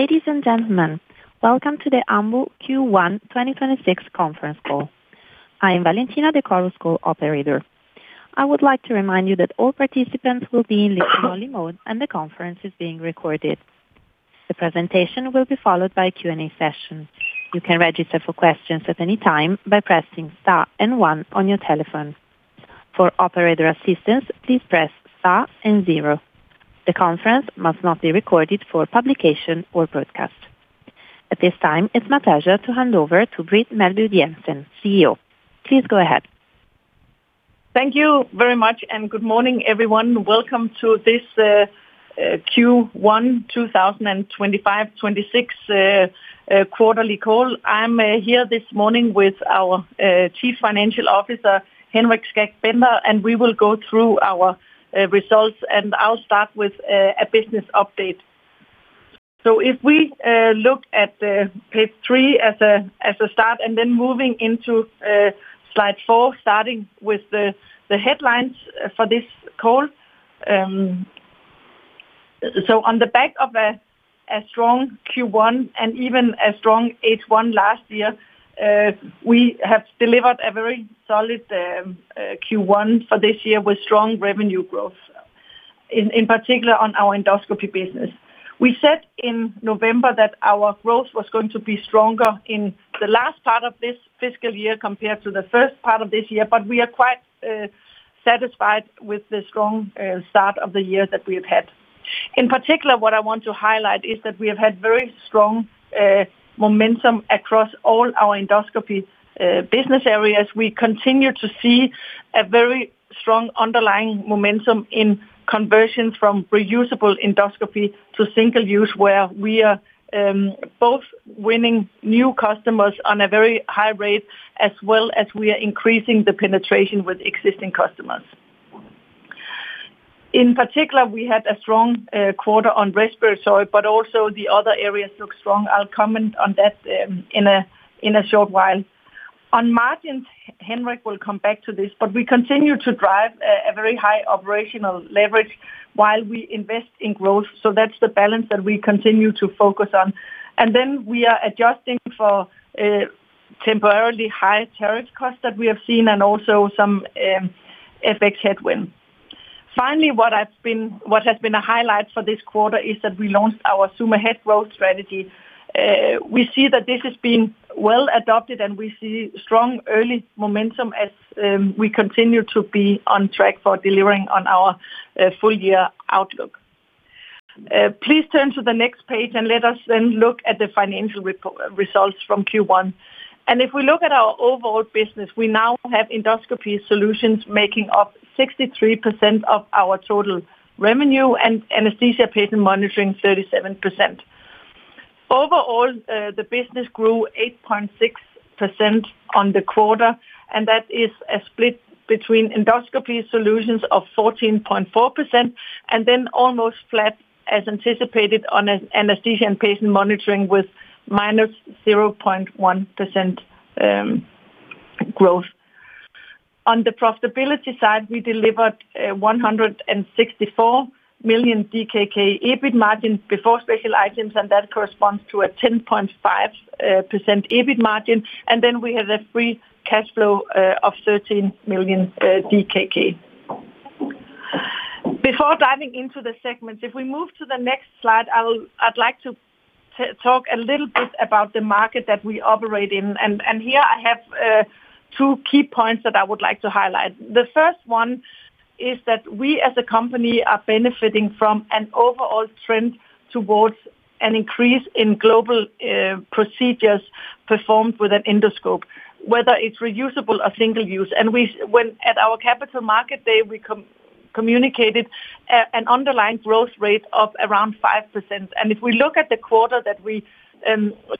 Ladies and gentlemen, welcome to the Ambu Q1 2026 conference call. I am Valentina De Corus, call operator. I would like to remind you that all participants will be in listen-only mode and the conference is being recorded. The presentation will be followed by a Q&A session. You can register for questions at any time by pressing star and one on your telephone. For operator assistance, please press star and zero. The conference must not be recorded for publication or broadcast. At this time, it's my pleasure to hand over to Britt Meelby Jensen, CEO. Please go ahead. Thank you very much, and good morning, everyone. Welcome to this Q1 2025-2026 quarterly call. I'm here this morning with our Chief Financial Officer, Henrik Skak Bender, and we will go through our results, and I'll start with a business update. So if we look at page 3 as a start and then moving into slide 4, starting with the headlines for this call, so on the back of a strong Q1 and even a strong H1 last year, we have delivered a very solid Q1 for this year with strong revenue growth in particular on our endoscopy business. We said in November that our growth was going to be stronger in the last part of this fiscal year compared to the first part of this year, but we are quite satisfied with the strong start of the year that we have had. In particular, what I want to highlight is that we have had very strong momentum across all our endoscopy business areas. We continue to see a very strong underlying momentum in conversions from reusable endoscopy to single-use, where we are both winning new customers on a very high rate as well as we are increasing the penetration with existing customers. In particular, we had a strong quarter on respiratory, but also the other areas look strong. I'll comment on that in a in a short while. On margins, Henrik will come back to this, but we continue to drive a very high operational leverage while we invest in growth. So that's the balance that we continue to focus on. And then we are adjusting for temporarily high tariff costs that we have seen and also some FX headwind. Finally, what has been a highlight for this quarter is that we launched our Zoom Ahead growth strategy. We see that this has been well adopted, and we see strong early momentum as we continue to be on track for delivering on our full-year outlook. Please turn to the next page and let us then look at the financial results from Q1. If we look at our overall business, we now have Endoscopy Solutions making up 63% of our total revenue and anesthesia patient monitoring 37%. Overall, the business grew 8.6% on the quarter, and that is a split between Endoscopy Solutions of 14.4% and then almost flat as anticipated on Anesthesia and Patient Monitoring with -0.1% growth. On the profitability side, we delivered 164 million DKK EBIT before special items, and that corresponds to a 10.5% EBIT margin. And then we had a free cash flow of 13 million DKK. Before diving into the segments, if we move to the next slide, I'd like to talk a little bit about the market that we operate in. And here I have two key points that I would like to highlight. The first one is that we, as a company, are benefiting from an overall trend towards an increase in global procedures performed with an endoscope, whether it's reusable or single-use. And when at our Capital Market Day, we communicated an underlying growth rate of around 5%. And if we look at the quarter that we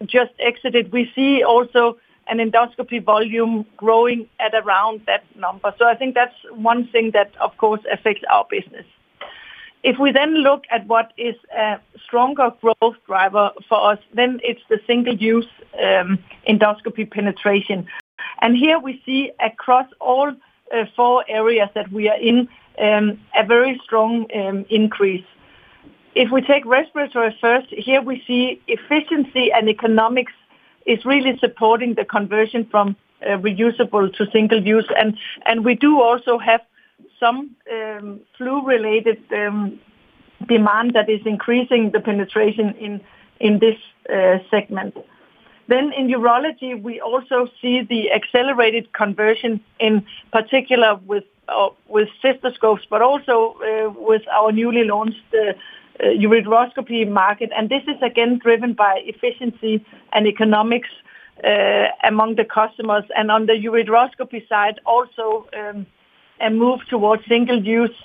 just exited, we see also an endoscopy volume growing at around that number. So I think that's one thing that, of course, affects our business. If we then look at what is a stronger growth driver for us, then it's the single-use endoscopy penetration. Here we see across all four areas that we are in a very strong increase. If we take respiratory first, here we see efficiency and economics is really supporting the conversion from reusable to single-use. We do also have some flu-related demand that is increasing the penetration in this segment. In urology, we also see the accelerated conversion in particular with cystoscopes, but also with our newly launched ureteroscopy market. This is again driven by efficiency and economics among the customers. On the ureteroscopy side, also a move towards single-use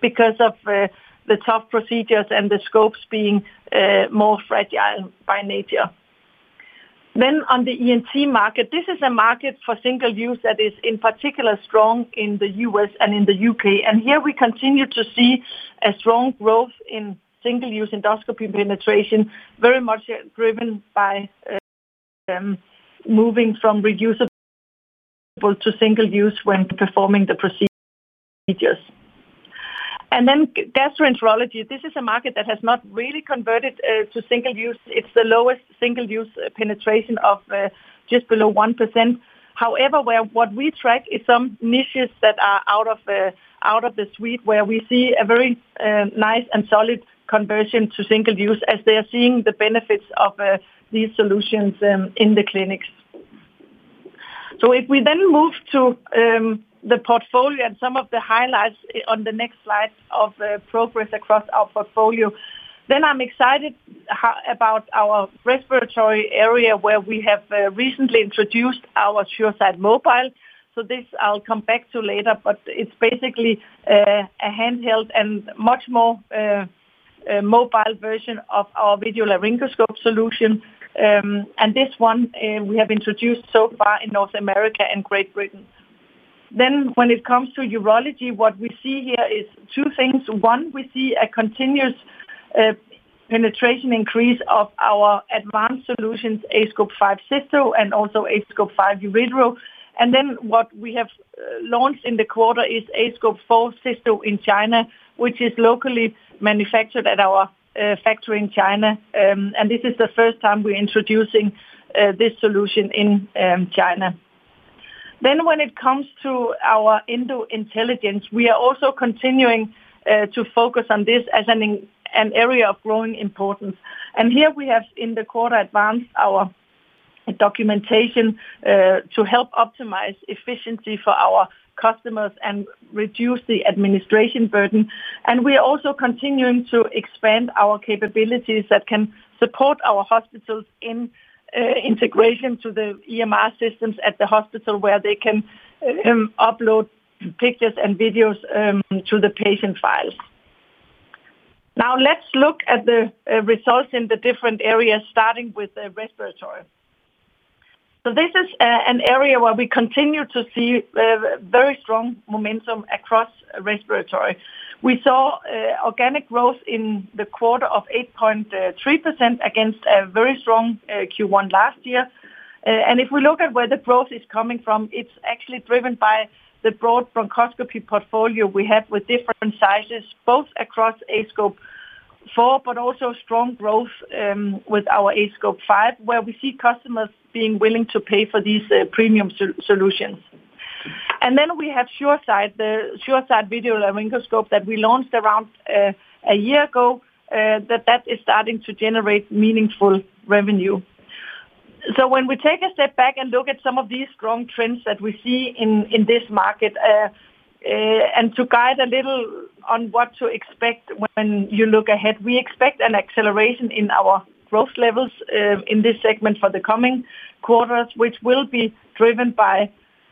because of the tough procedures and the scopes being more fragile by nature. Then on the ENT market, this is a market for single-use that is, in particular, strong in the U.S. and in the U.K. Here we continue to see a strong growth in single-use endoscopy penetration, very much driven by moving from reusable to single-use when performing the proceed procedures. Then gastroenterology, this is a market that has not really converted to single-use. It's the lowest single-use penetration, just below 1%. However, what we track is some niches that are out of the suite where we see a very nice and solid conversion to single-use as they are seeing the benefits of these solutions in the clinics. So if we then move to the portfolio and some of the highlights on the next slide of progress across our portfolio, then I'm excited about our respiratory area where we have recently introduced our SureSight Mobile. So this I'll come back to later, but it's basically a handheld and much more mobile version of our video laryngoscope solution. And this one, we have introduced so far in North America and Great Britain. Then when it comes to urology, what we see here is two things. One, we see a continuous penetration increase of our advanced solutions, aScope 5 Cysto and also aScope 5 Uretero. And then what we have launched in the quarter is aScope 4 Cysto in China, which is locally manufactured at our factory in China. And this is the first time we're introducing this solution in China. Then when it comes to our EndoIntelligence, we are also continuing to focus on this as an area of growing importance. And here we have, in the quarter, advanced our documentation to help optimize efficiency for our customers and reduce the administration burden. We are also continuing to expand our capabilities that can support our hospitals in integration to the EMR systems at the hospital where they can upload pictures and videos to the patient files. Now, let's look at the results in the different areas, starting with respiratory. So this is an area where we continue to see very strong momentum across respiratory. We saw organic growth in the quarter of 8.3% against a very strong Q1 last year. And if we look at where the growth is coming from, it's actually driven by the broad bronchoscopy portfolio we have with different sizes, both across aScope 4 but also strong growth with our aScope 5, where we see customers being willing to pay for these premium solutions. And then we have SureSight, the SureSight video laryngoscope that we launched around a year ago, that is starting to generate meaningful revenue. So when we take a step back and look at some of these strong trends that we see in this market, and to guide a little on what to expect when you look ahead, we expect an acceleration in our growth levels in this segment for the coming quarters, which will be driven by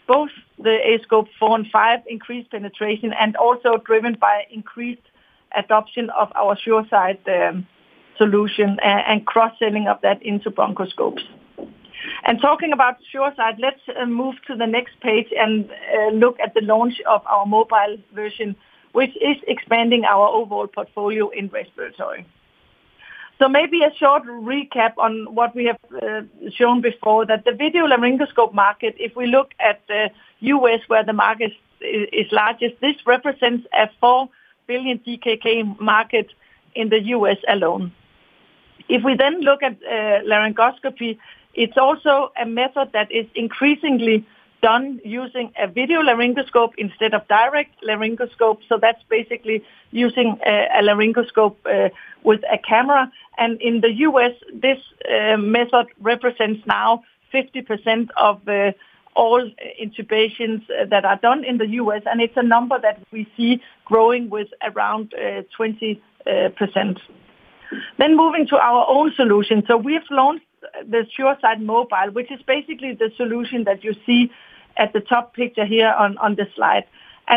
both the aScope 4 and 5 increased penetration and also driven by increased adoption of our SureSight solution and cross-selling of that into bronchoscopes. Talking about SureSight, let's move to the next page and look at the launch of our mobile version, which is expanding our overall portfolio in respiratory. So maybe a short recap on what we have shown before, that the video laryngoscope market, if we look at the U.S. where the market is largest, this represents a 4 billion DKK market in the U.S. alone. If we then look at laryngoscopy, it's also a method that is increasingly done using a video laryngoscope instead of direct laryngoscope. So that's basically using a laryngoscope with a camera. And in the U.S., this method represents now 50% of all intubations that are done in the U.S. And it's a number that we see growing with around 20%. Then moving to our own solution. So we have launched the SureSight Mobile, which is basically the solution that you see at the top picture here on the slide.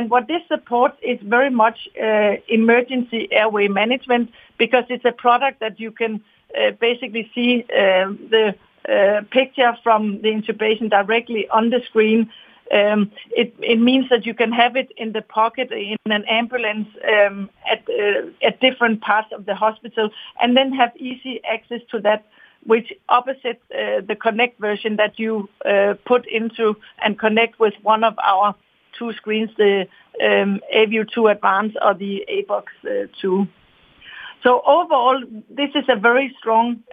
What this supports is very much emergency airway management because it's a product that you can basically see the picture from the intubation directly on the screen. It means that you can have it in the pocket in an ambulance at different parts of the hospital and then have easy access to that, which, as opposed to, the Connect version that you put into and connect with one of our two screens, the aView 2 Advance or the aBox 2. So overall, this is a very strong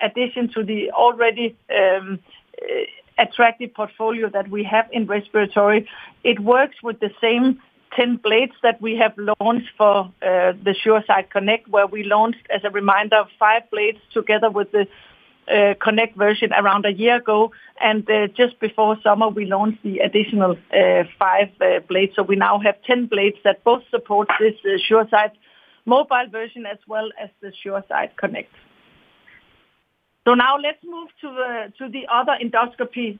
addition to the already attractive portfolio that we have in respiratory. It works with the same 10 blades that we have launched for the SureSight Connect, where we launched, as a reminder, five blades together with the Connect version around a year ago. And just before summer, we launched the additional five blades. So we now have 10 blades that both support this SureSight Mobile version as well as the SureSight Connect. So now let's move to the other endoscopy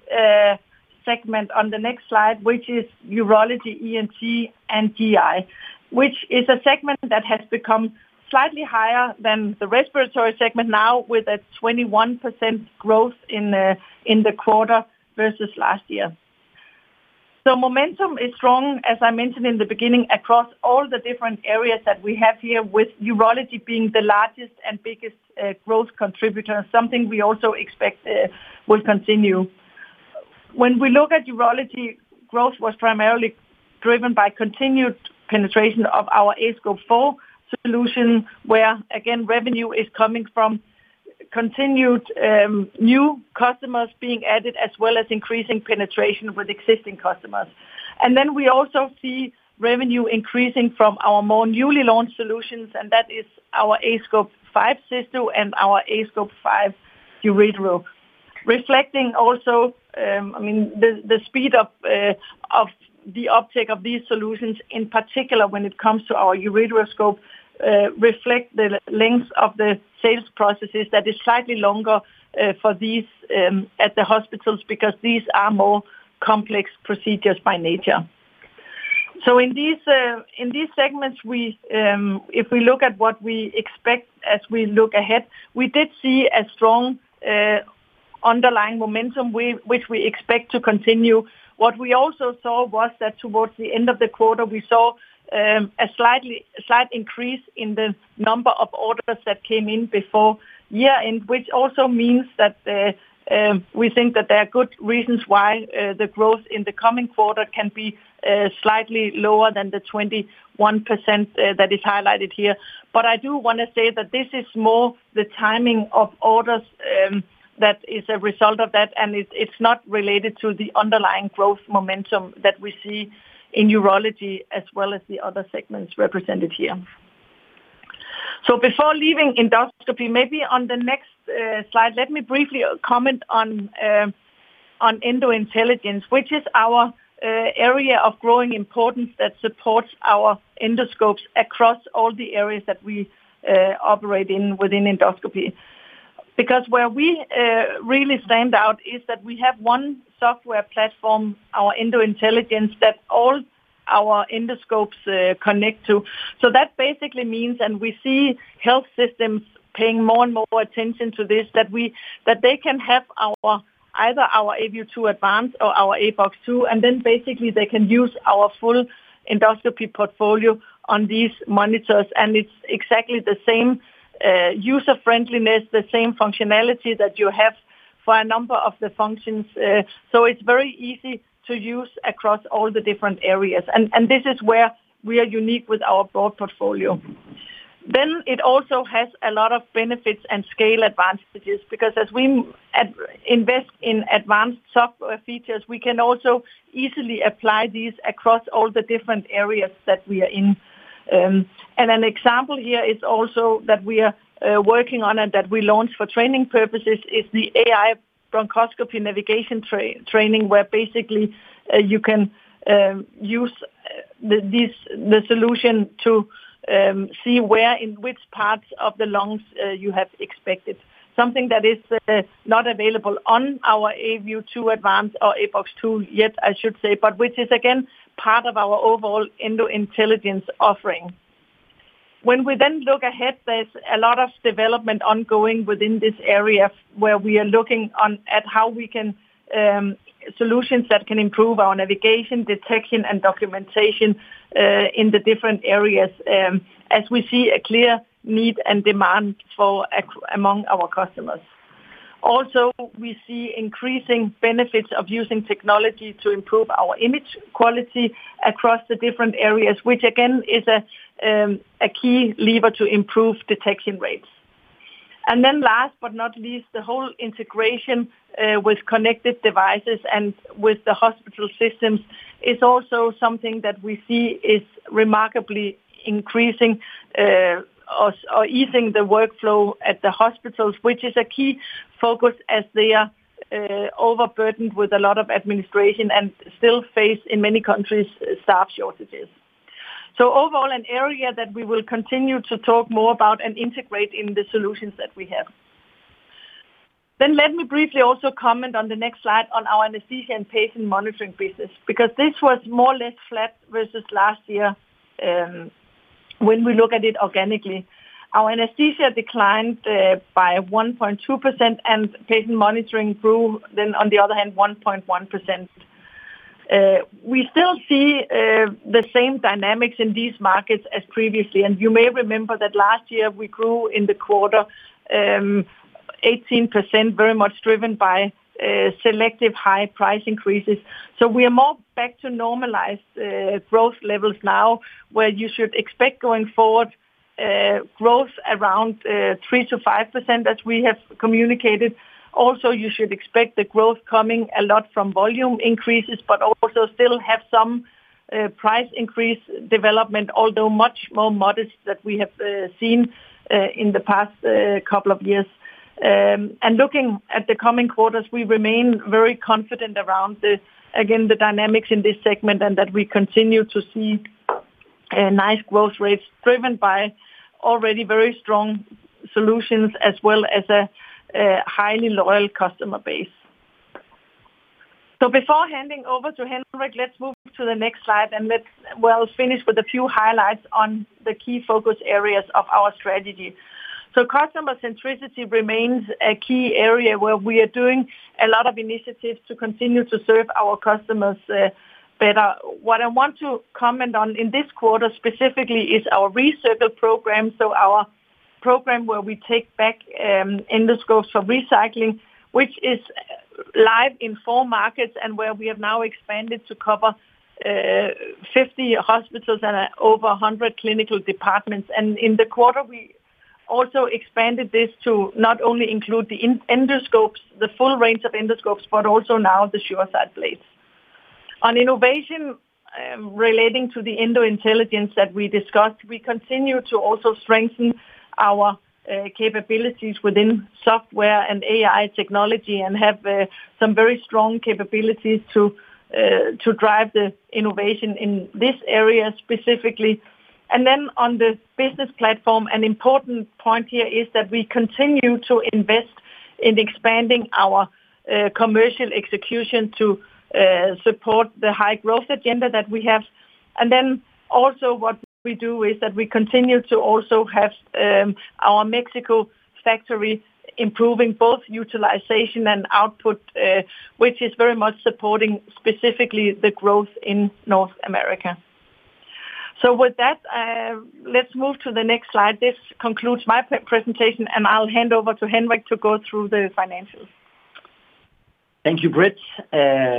segment on the next slide, which is urology, ENT, and GI, which is a segment that has become slightly higher than the respiratory segment now with a 21% growth in the quarter versus last year. So momentum is strong, as I mentioned in the beginning, across all the different areas that we have here, with urology being the largest and biggest growth contributor, something we also expect will continue. When we look at urology, growth was primarily driven by continued penetration of our aScope 4 solution, where, again, revenue is coming from continued new customers being added as well as increasing penetration with existing customers. And then we also see revenue increasing from our more newly launched solutions, and that is our aScope 5 Cysto and our aScope 5 Uretero, reflecting also, I mean, the speed of the uptake of these solutions, in particular when it comes to our ureteroscope, reflect the length of the sales processes that is slightly longer for these at the hospitals because these are more complex procedures by nature. So in these segments, we, if we look at what we expect as we look ahead, we did see a strong underlying momentum which we expect to continue. What we also saw was that towards the end of the quarter, we saw a slight increase in the number of orders that came in before year-end, which also means that we think that there are good reasons why the growth in the coming quarter can be slightly lower than the 21% that is highlighted here. But I do want to say that this is more the timing of orders that is a result of that. And it's not related to the underlying growth momentum that we see in Urology as well as the other segments represented here. So before leaving Endoscopy, maybe on the next slide, let me briefly comment on EndoIntelligence, which is our area of growing importance that supports our endoscopes across all the areas that we operate in within Endoscopy. Because where we really stand out is that we have one software platform, our EndoIntelligence, that all our endoscopes connect to. So that basically means, and we see health systems paying more and more attention to this, that they can have our either our aView 2 Advance or our aBox 2, and then basically they can use our full endoscopy portfolio on these monitors. And it's exactly the same user-friendliness, the same functionality that you have for a number of the functions. So it's very easy to use across all the different areas. And this is where we are unique with our broad portfolio. Then it also has a lot of benefits and scale advantages because as we invest in advanced software features, we can also easily apply these across all the different areas that we are in. An example here is also that we are working on and that we launched for training purposes is the AI bronchoscopy navigation training, where basically you can use the solution to see where in which parts of the lungs you have expected something that is not available on our aView 2 Advance or aBox 2 yet, I should say, but which is again part of our overall EndoIntelligence offering. When we then look ahead, there's a lot of development ongoing within this area where we are looking at how we can solutions that can improve our navigation, detection, and documentation in the different areas, as we see a clear need and demand for accuracy among our customers. Also, we see increasing benefits of using technology to improve our image quality across the different areas, which again is a key lever to improve detection rates. And then last but not least, the whole integration, with connected devices and with the hospital systems is also something that we see is remarkably increasing, or, or easing the workflow at the hospitals, which is a key focus as they are, overburdened with a lot of administration and still face, in many countries, staff shortages. So overall, an area that we will continue to talk more about and integrate in the solutions that we have. Then let me briefly also comment on the next slide on our Anesthesia and Patient Monitoring business because this was more or less flat versus last year, when we look at it organically. Our anesthesia declined, by 1.2%, and patient monitoring grew then, on the other hand, 1.1%. We still see, the same dynamics in these markets as previously. You may remember that last year, we grew in the quarter 18%, very much driven by selective high price increases. So we are more back to normalized growth levels now where you should expect going forward growth around 3%-5%, as we have communicated. Also, you should expect the growth coming a lot from volume increases but also still have some price increase development, although much more modest than we have seen in the past couple of years. Looking at the coming quarters, we remain very confident around the again the dynamics in this segment and that we continue to see nice growth rates driven by already very strong solutions as well as a highly loyal customer base. So before handing over to Henrik, let's move to the next slide, and let's, well, finish with a few highlights on the key focus areas of our strategy. So customer centricity remains a key area where we are doing a lot of initiatives to continue to serve our customers better. What I want to comment on in this quarter specifically is our Recircle program, so our program where we take back endoscopes for recycling, which is live in four markets and where we have now expanded to cover 50 hospitals and over 100 clinical departments. And in the quarter, we also expanded this to not only include the endoscopes, the full range of endoscopes, but also now the SureSight blades. On innovation, relating to the EndoIntelligence that we discussed, we continue to also strengthen our capabilities within software and AI technology and have some very strong capabilities to to drive the innovation in this area specifically. And then on the business platform, an important point here is that we continue to invest in expanding our commercial execution to support the high growth agenda that we have. And then also, what we do is that we continue to also have our Mexico factory improving both utilization and output, which is very much supporting specifically the growth in North America. So with that, let's move to the next slide. This concludes my pre-presentation, and I'll hand over to Henrik to go through the financials. Thank you, Britt.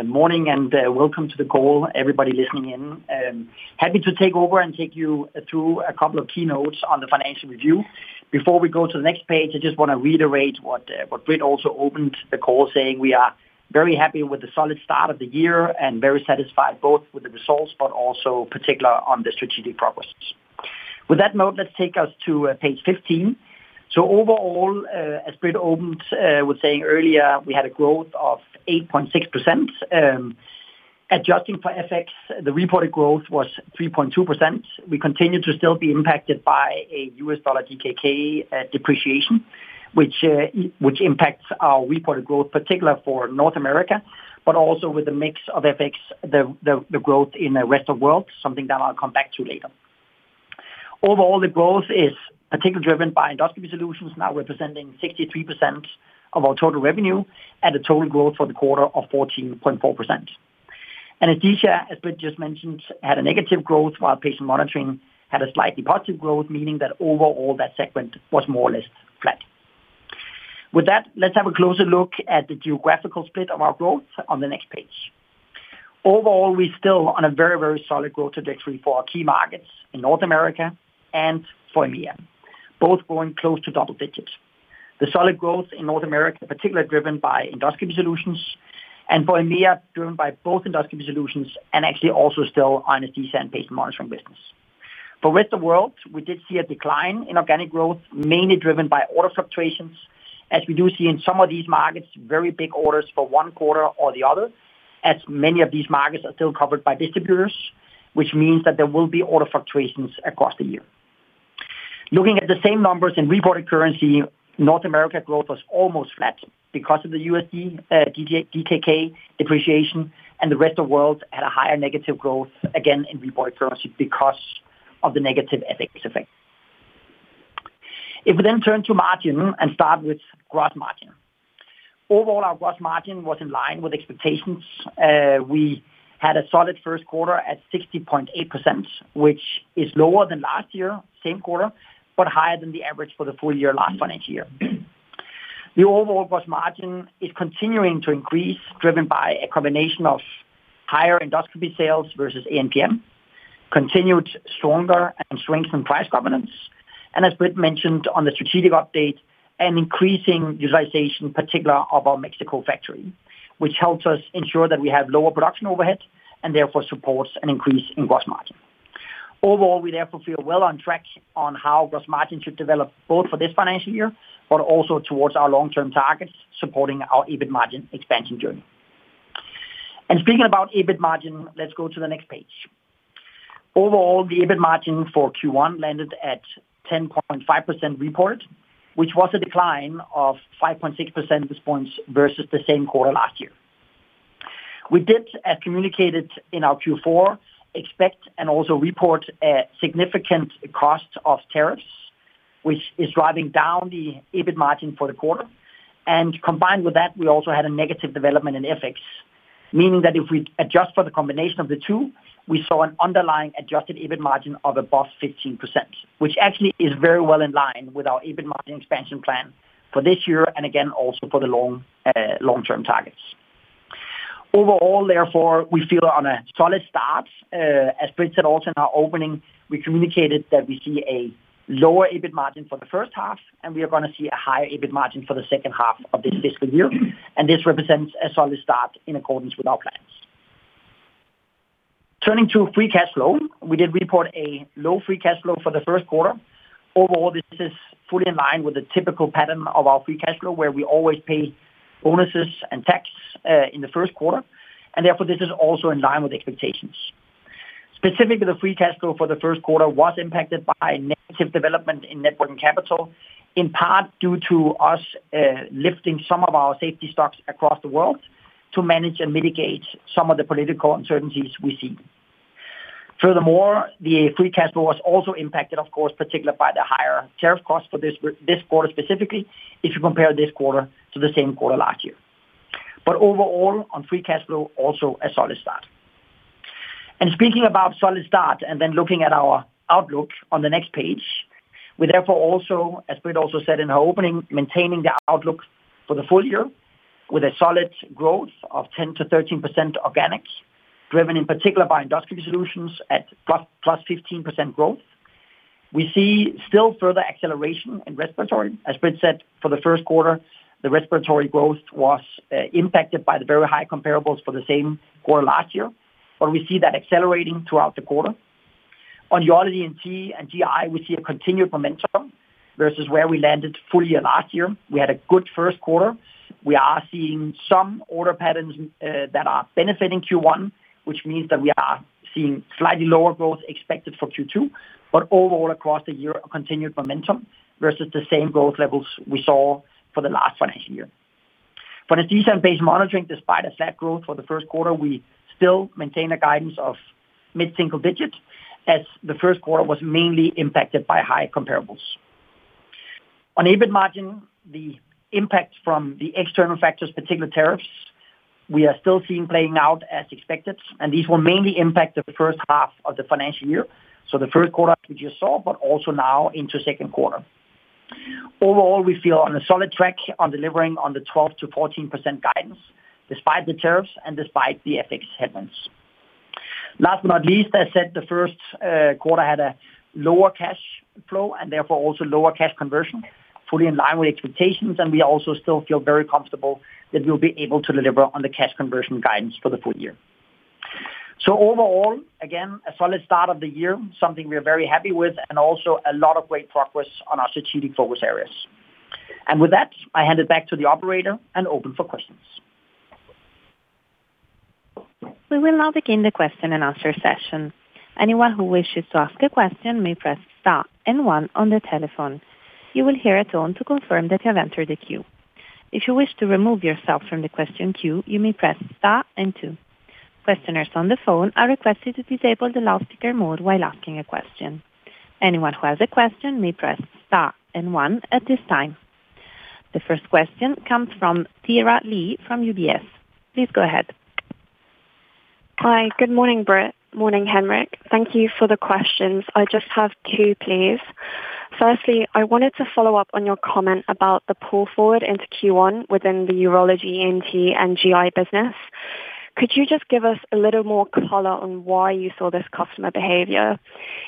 Morning and welcome to the call, everybody listening in. Happy to take over and take you through a couple of keynotes on the financial review. Before we go to the next page, I just want to reiterate what, what Britt also opened the call saying, "We are very happy with the solid start of the year and very satisfied both with the results but also particular on the strategic progress." With that note, let's take us to page 15. So overall, as Britt opened with saying earlier, we had a growth of 8.6%. Adjusting for FX, the reported growth was 3.2%. We continue to still be impacted by a U.S. dollar DKK depreciation, which, which impacts our reported growth, particular for North America, but also with a mix of FX, the, the, the growth in the Rest of the world, something that I'll come back to later. Overall, the growth is particularly driven by endoscopy solutions, now representing 63% of our total revenue and a total growth for the quarter of 14.4%. Anaesthesia, as Britt just mentioned, had a negative growth, while patient monitoring had a slightly positive growth, meaning that overall, that segment was more or less flat. With that, let's have a closer look at the geographical split of our growth on the next page. Overall, we're still on a very, very solid growth trajectory for our key markets in North America and for EMEA, both growing close to double digits. The solid growth in North America, particularly driven by endoscopy solutions, and for EMEA, driven by both endoscopy solutions and actually also still our Anesthesia and Patient Monitoring business. For the Rest of the world, we did see a decline in organic growth, mainly driven by order fluctuations, as we do see in some of these markets, very big orders for one quarter or the other, as many of these markets are still covered by distributors, which means that there will be order fluctuations across the year. Looking at the same numbers in reported currency, North America growth was almost flat because of the U.S.D to DKK depreciation, and the Rest of the world had a higher negative growth, again, in reported currency because of the negative FX effect. If we then turn to margin and start with gross margin, overall, our gross margin was in line with expectations. We had a solid first quarter at 60.8%, which is lower than last year, same quarter, but higher than the average for the full year last financial year. The overall gross margin is continuing to increase, driven by a combination of higher endoscopy sales versus ANPM, continued stronger and strengthened price governance, and as Britt mentioned on the strategic update, an increasing utilization, particularly of our Mexico factory, which helps us ensure that we have lower production overhead and therefore supports an increase in gross margin. Overall, we therefore feel well on track on how gross margin should develop both for this financial year but also towards our long-term targets, supporting our EBIT margin expansion journey. Speaking about EBIT margin, let's go to the next page. Overall, the EBIT margin for Q1 landed at 10.5% reported, which was a decline of 5.6% at this point versus the same quarter last year. We did, as communicated in our Q4, expect and also report a significant cost of tariffs, which is driving down the EBIT margin for the quarter. Combined with that, we also had a negative development in FX, meaning that if we adjust for the combination of the two, we saw an underlying adjusted EBIT margin of above 15%, which actually is very well in line with our EBIT margin expansion plan for this year and, again, also for the long, long-term targets. Overall, therefore, we feel on a solid start. As Britt said also in our opening, we communicated that we see a lower EBIT margin for the first half, and we are going to see a higher EBIT margin for the second half of this fiscal year. This represents a solid start in accordance with our plans. Turning to free cash flow, we did report a low free cash flow for the first quarter. Overall, this is fully in line with the typical pattern of our free cash flow where we always pay bonuses and tax in the first quarter. Therefore, this is also in line with expectations. Specifically, the free cash flow for the first quarter was impacted by a negative development in working capital, in part due to us lifting some of our safety stocks across the world to manage and mitigate some of the political uncertainties we see. Furthermore, the free cash flow was also impacted, of course, particularly by the higher tariff costs for this quarter specifically, if you compare this quarter to the same quarter last year. Overall, on free cash flow, also a solid start. Speaking about solid start and then looking at our outlook on the next page, we therefore also, as Britt also said in her opening, maintaining the outlook for the full year with a solid growth of 10%-13% organic, driven in particular by endoscopy solutions at plus plus 15% growth. We see still further acceleration in respiratory. As Britt said, for the first quarter, the respiratory growth was impacted by the very high comparables for the same quarter last year, but we see that accelerating throughout the quarter. On yearly ENT and GI, we see a continued momentum versus where we landed full year last year. We had a good first quarter. We are seeing some order patterns that are benefiting Q1, which means that we are seeing slightly lower growth expected for Q2, but overall, across the year, a continued momentum versus the same growth levels we saw for the last financial year. For Anesthesia and Patient Monitoring, despite a flat growth for the first quarter, we still maintain a guidance of mid-single digit as the first quarter was mainly impacted by high comparables. On EBIT margin, the impact from the external factors, particularly tariffs, we are still seeing playing out as expected, and these will mainly impact the first half of the financial year, so the first quarter we just saw, but also now into second quarter. Overall, we feel on a solid track on delivering on the 12%-14% guidance despite the tariffs and despite the FX headwinds. Last but not least, as said, the first quarter had a lower cash flow and therefore also lower cash conversion, fully in line with expectations. We also still feel very comfortable that we'll be able to deliver on the cash conversion guidance for the full year. Overall, again, a solid start of the year, something we are very happy with, and also a lot of great progress on our strategic focus areas. With that, I hand it back to the operator and open for questions. We will now begin the question and answer session. Anyone who wishes to ask a question may press star and one on the telephone. You will hear a tone to confirm that you have entered the queue. If you wish to remove yourself from the question queue, you may press star and two. Questioners on the phone are requested to disable the loudspeaker mode while asking a question. Anyone who has a question may press star and one at this time. The first question comes from Thyra Lee from UBS. Please go ahead. Hi. Good morning, Britt. Morning, Henrik. Thank you for the questions. I just have two, please. Firstly, I wanted to follow up on your comment about the pull forward into Q1 within the urology, ENT, and GI business. Could you just give us a little more color on why you saw this customer behavior,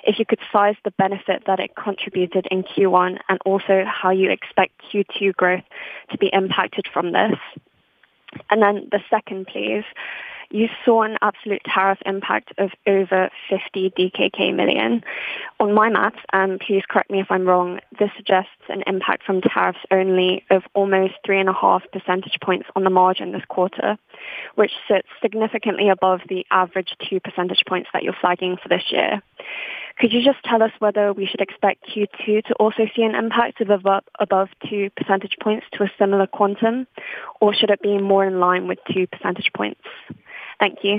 if you could size the benefit that it contributed in Q1, and also how you expect Q2 growth to be impacted from this? And then the second, please. You saw an absolute tariff impact of over 50 million DKK. On my maps - and please correct me if I'm wrong - this suggests an impact from tariffs only of almost 3.5 percentage points on the margin this quarter, which sits significantly above the average 2 percentage points that you're flagging for this year. Could you just tell us whether we should expect Q2 to also see an impact of above two percentage points to a similar quantum, or should it be more in line with two percentage points? Thank you.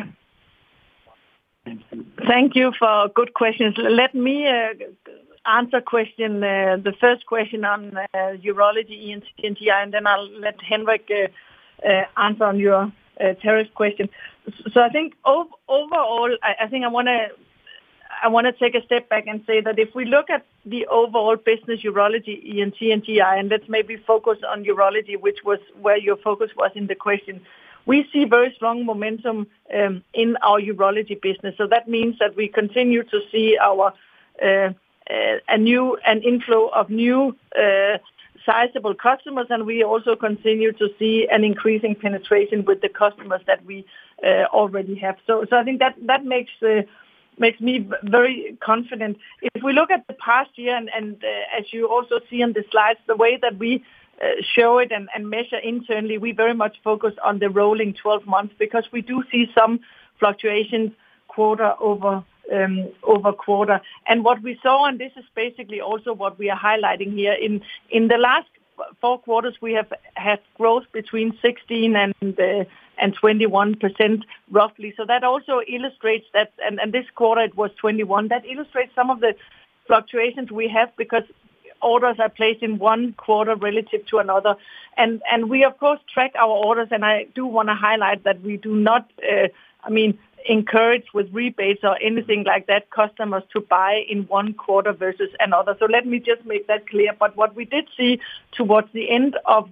Thank you for good questions. Let me answer a question, the first question on urology, ENT, and GI, and then I'll let Henrik answer on your tariff question. So I think overall, I think I want to take a step back and say that if we look at the overall business, urology, ENT, and GI, and let's maybe focus on urology, which was where your focus was in the question, we see very strong momentum in our urology business. So that means that we continue to see a new inflow of new sizable customers, and we also continue to see an increasing penetration with the customers that we already have. So I think that that makes me very confident. If we look at the past year and, as you also see on the slides, the way that we show it and measure internally, we very much focus on the rolling 12 months because we do see some fluctuations quarter over quarter. And what we saw, and this is basically also what we are highlighting here, in the last four quarters, we have had growth between 16% and 21%, roughly. So that also illustrates that and this quarter, it was 21%. That illustrates some of the fluctuations we have because orders are placed in one quarter relative to another. And we, of course, track our orders. And I do want to highlight that we do not, I mean, encourage with rebates or anything like that customers to buy in one quarter versus another. So let me just make that clear. But what we did see towards the end of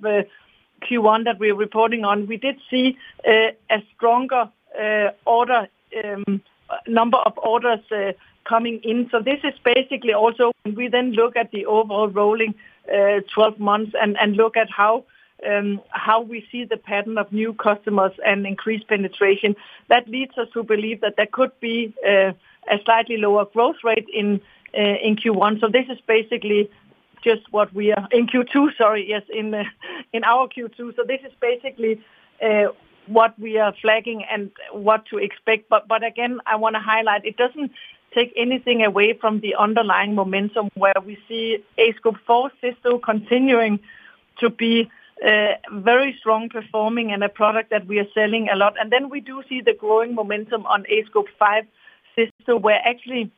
Q1 that we are reporting on, we did see a stronger order number of orders coming in. So this is basically also when we then look at the overall rolling 12 months and look at how we see the pattern of new customers and increased penetration, that leads us to believe that there could be a slightly lower growth rate in Q1. So this is basically just what we are in Q2—sorry—yes, in our Q2. So this is basically what we are flagging and what to expect. But again, I want to highlight, it doesn't take anything away from the underlying momentum where we see aScope 4 Cysto continuing to be very strong performing and a product that we are selling a lot. And then we do see the growing momentum on aScope 5 Cysto where actually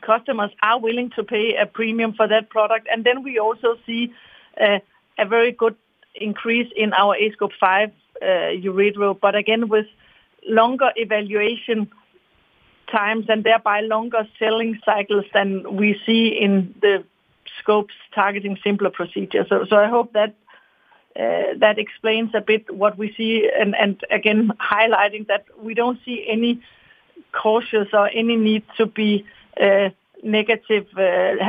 customers are willing to pay a premium for that product. And then we also see a very good increase in our aScope 5 Uretero, but again, with longer evaluation times and thereby longer selling cycles than we see in the scopes targeting simpler procedures. So I hope that explains a bit what we see and again, highlighting that we don't see any cautious or any need to be negative,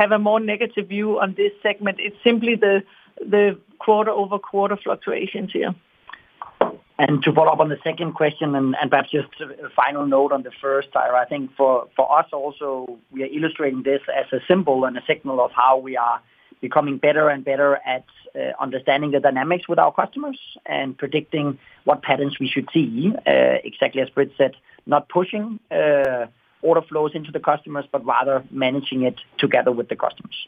have a more negative view on this segment. It's simply the quarter-over-quarter fluctuations here. To follow up on the second question and perhaps just a final note on the first, Tyra, I think for us also, we are illustrating this as a symbol and a signal of how we are becoming better and better at understanding the dynamics with our customers and predicting what patterns we should see, exactly as Britt said, not pushing order flows into the customers, but rather managing it together with the customers.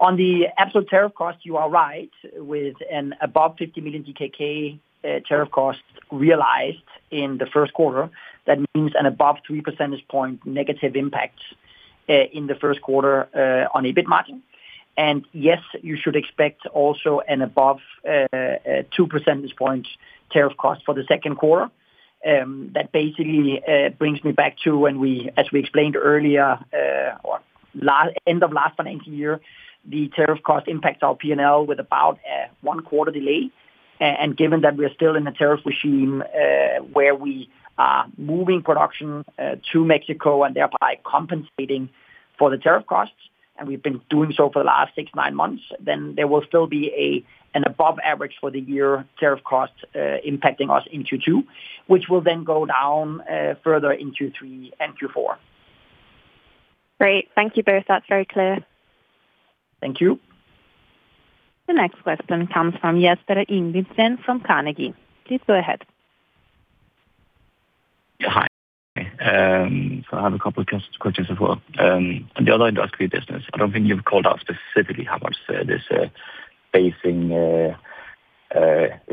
On the absolute tariff cost, you are right with an above-DKK 50 million tariff cost realized in the first quarter. That means an above-3 percentage point negative impact in the first quarter on EBIT margin. And yes, you should expect also an above-2 percentage point tariff cost for the second quarter. That basically brings me back to when we, as we explained earlier, or at the end of last financial year, the tariff cost impacts our P&L with about a one-quarter delay. And given that we are still in a tariff regime, where we are moving production to Mexico and thereby compensating for the tariff costs, and we've been doing so for the last six to nine months, then there will still be an above average for the year tariff cost, impacting us in Q2, which will then go down further in Q3 and Q4. Great. Thank you both. That's very clear. Thank you. The next question comes from Jesper Ingildsen from Carnegie. Please go ahead. Yeah. Hi. So I have a couple of questions as well. On the other endoscopy business, I don't think you've called out specifically how much this, facing, is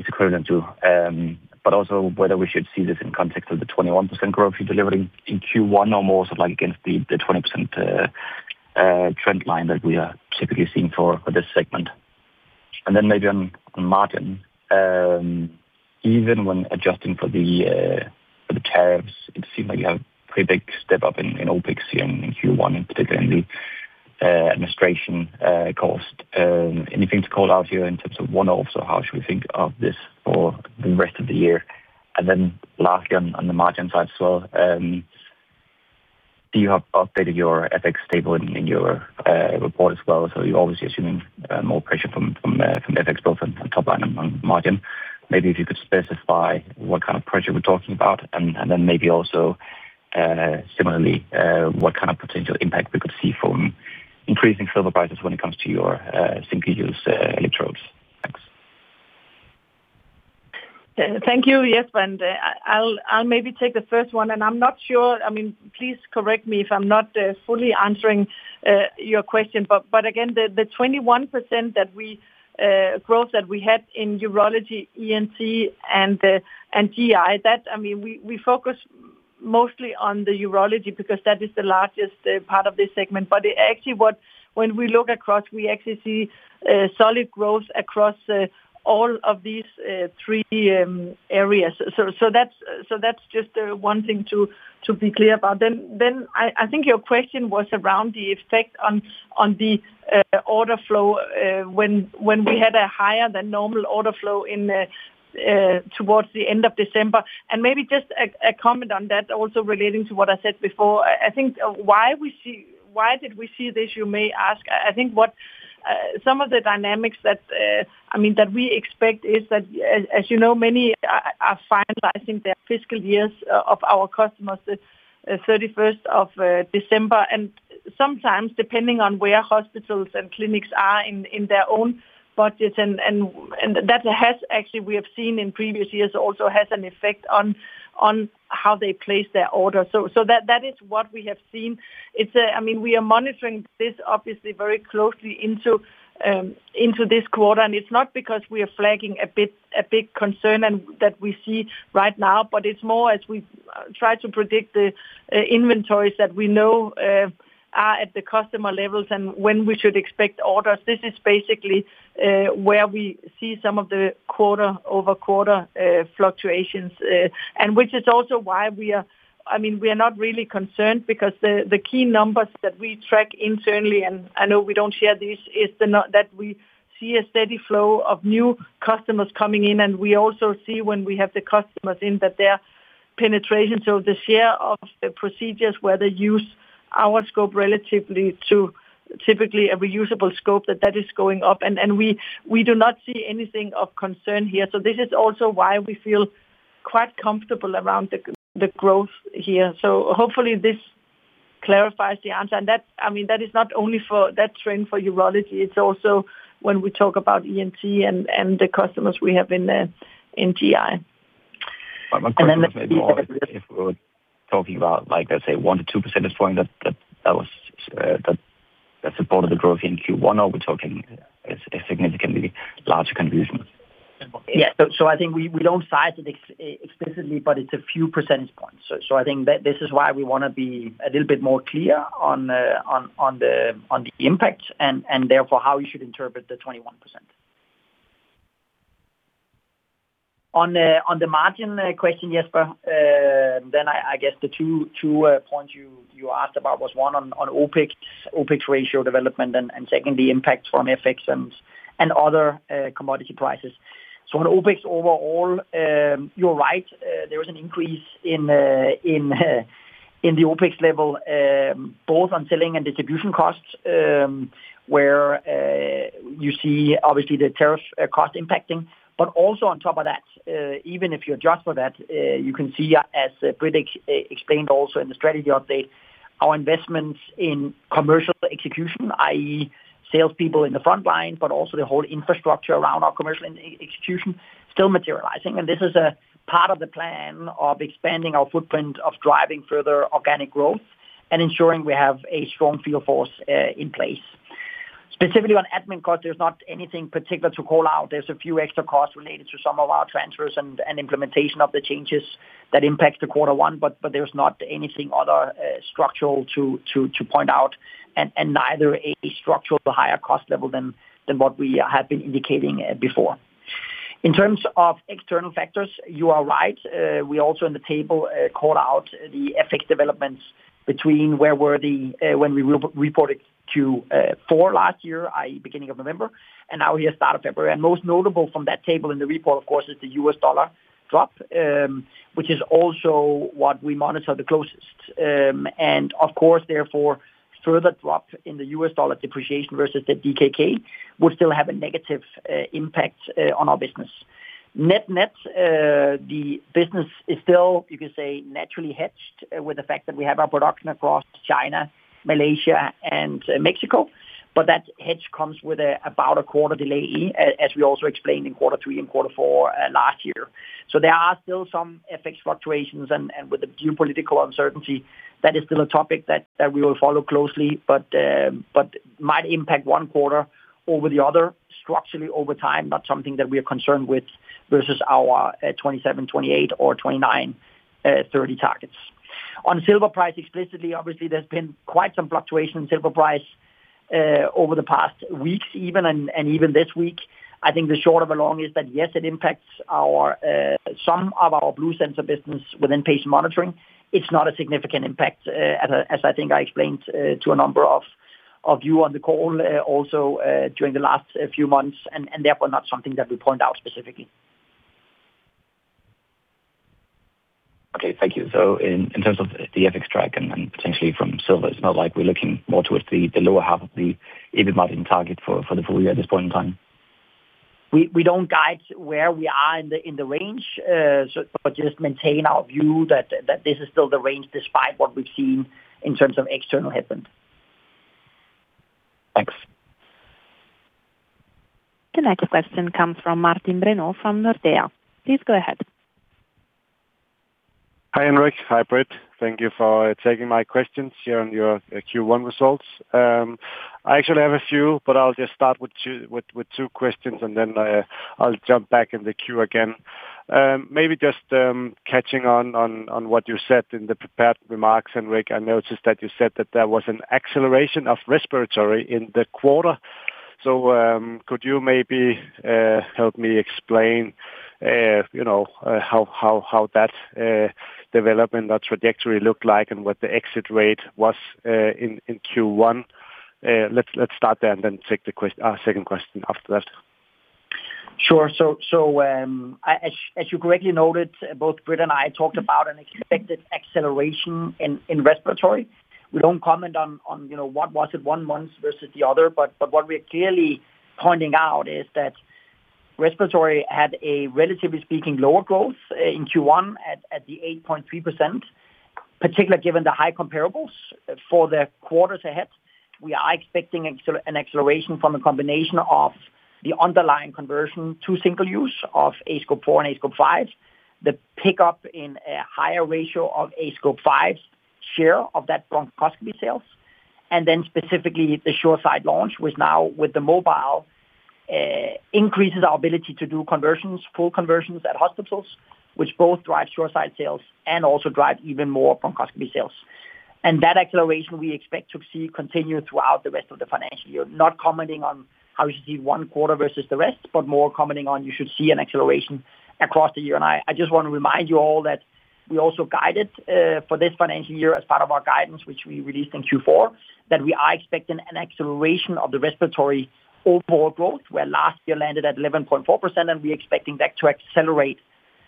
equivalent to, but also whether we should see this in context of the 21% growth you're delivering in Q1 or more so, like, against the, the 20%, trend line that we are typically seeing for, for this segment. And then maybe on, on margin, even when adjusting for the, for the tariffs, it seemed like you have a pretty big step up in, in OpEx here in, in Q1, particularly in the, administration, cost. Anything to call out here in terms of one-offs or how should we think of this for the rest of the year? And then lastly, on, on the margin side as well, do you have updated your FX table in, in your, report as well? So you're obviously assuming more pressure from FX both on top line and on margin. Maybe if you could specify what kind of pressure we're talking about and then maybe also, similarly, what kind of potential impact we could see from increasing silver prices when it comes to your single-use electrodes. Thanks. Thank you, Jesper. And, I-I'll, I'll maybe take the first one. And I'm not sure I mean, please correct me if I'm not fully answering your question. But, but again, the, the 21% growth that we had in Urology, ENT, and GI, that I mean, we, we focus mostly on the Urology because that is the largest part of this segment. But it actually what when we look across, we actually see solid growth across all of these three areas. So, so that's so that's just one thing to, to be clear about. Then, then I, I think your question was around the effect on, on the, order flow, when, when we had a higher than normal order flow in, towards the end of December. And maybe just a, a comment on that also relating to what I said before. I think why did we see this, you may ask. I think some of the dynamics that, I mean, that we expect is that, as you know, many are finalizing their fiscal years of our customers, the 31st of December. And sometimes, depending on where hospitals and clinics are in their own budgets and that has actually we have seen in previous years also has an effect on how they place their orders. So that is what we have seen. It's, I mean, we are monitoring this obviously very closely into this quarter. And it's not because we are flagging a bit a big concern and that we see right now, but it's more as we try to predict the inventories that we know are at the customer levels and when we should expect orders. This is basically where we see some of the quarter-over-quarter fluctuations, and which is also why we are, I mean, we are not really concerned because the key numbers that we track internally, and I know we don't share these, is that we see a steady flow of new customers coming in. And we also see when we have the customers in that their penetrations so the share of the procedures where they use our scope relatively to typically a reusable scope, that that is going up. And we do not see anything of concern here. So this is also why we feel quite comfortable around the growth here. So hopefully, this clarifies the answer. And, I mean, that is not only for that trend for urology. It's also when we talk about ENT and the customers we have in GI. My question was maybe also if we were talking about, like, let's say, 1-2 percentage points, that that supported the growth in Q1, or are we talking a significantly larger conversion? Yeah. So I think we don't size it explicitly, but it's a few percentage points. So I think that this is why we want to be a little bit more clear on the impact and therefore how you should interpret the 21%. On the margin question, Jesper, then I guess the two points you asked about was one on OpEx ratio development, and secondly, impact from FX and other commodity prices. So on OpEx overall, you're right. There was an increase in the OpEx level, both on selling and distribution costs, where you see obviously the tariff cost impacting. But also on top of that, even if you adjust for that, you can see, as Britt explained also in the strategy update, our investments in commercial execution, i.e., salespeople in the front line, but also the whole infrastructure around our commercial execution, still materializing. And this is a part of the plan of expanding our footprint of driving further organic growth and ensuring we have a strong sales force in place. Specifically on admin cost, there's not anything particular to call out. There's a few extra costs related to some of our transfers and implementation of the changes that impact the quarter one. But there's not anything other, structural to point out and neither a structural higher cost level than what we have been indicating before. In terms of external factors, you are right. We also in the table called out the FX developments between where we were when we re-reported Q4 last year, i.e., beginning of November, and now here start of February. And most notable from that table in the report, of course, is the U.S. dollar drop, which is also what we monitor the closest. And of course, therefore, further drop in the U.S. dollar depreciation versus the DKK would still have a negative impact on our business. Net-net, the business is still, you could say, naturally hedged with the fact that we have our production across China, Malaysia, and Mexico. But that hedge comes with about a quarter delay, as we also explained in quarter three and quarter four last year. So there are still some FX fluctuations. With the geopolitical uncertainty, that is still a topic that we will follow closely, but might impact one quarter over the other structurally over time, not something that we are concerned with versus our 27, 28, or 29, 30 targets. On silver price explicitly, obviously, there's been quite some fluctuation in silver price over the past weeks even, and even this week. I think the short of a long is that, yes, it impacts some of our BlueSensor business within patient monitoring. It's not a significant impact, as I think I explained to a number of you on the call also during the last few months, and therefore not something that we point out specifically. Okay. Thank you. So in terms of the FX track and potentially from silver, it's not like we're looking more towards the lower half of the EBIT margin target for the full year at this point in time? We don't guide where we are in the range, so just maintain our view that this is still the range despite what we've seen in terms of external headwind. Thanks. The next question comes from Martin Brenøe from Nordea. Please go ahead. Hi, Henrik. Hi, Britt. Thank you for taking my questions here on your Q1 results. I actually have a few, but I'll just start with two questions, and then I'll jump back in the queue again. Maybe just catching on to what you said in the prepared remarks, Henrik. I noticed that you said that there was an acceleration of respiratory in the quarter. So, could you maybe help me explain, you know, how that development, that trajectory looked like and what the exit rate was in Q1? Let's start there and then take our second question after that. Sure. So, as you correctly noted, both Britt and I talked about an expected acceleration in respiratory. We don't comment on, you know, what was it one month versus the other. But what we are clearly pointing out is that respiratory had a relatively speaking lower growth in Q1 at the 8.3%, particularly given the high comparables. For the quarters ahead, we are expecting an acceleration from a combination of the underlying conversion to single-use of aScope 4 and aScope 5, the pickup in a higher ratio of aScope 5's share of that bronchoscopy sales, and then specifically the SureSight launch which now with the mobile increases our ability to do conversions, full conversions at hospitals, which both drive SureSight sales and also drive even more bronchoscopy sales. That acceleration, we expect to see continue throughout the rest of the financial year, not commenting on how you should see one quarter versus the rest, but more commenting on you should see an acceleration across the year. And I, I just want to remind you all that we also guided, for this financial year as part of our guidance, which we released in Q4, that we are expecting an acceleration of the respiratory overall growth where last year landed at 11.4%. And we're expecting that to accelerate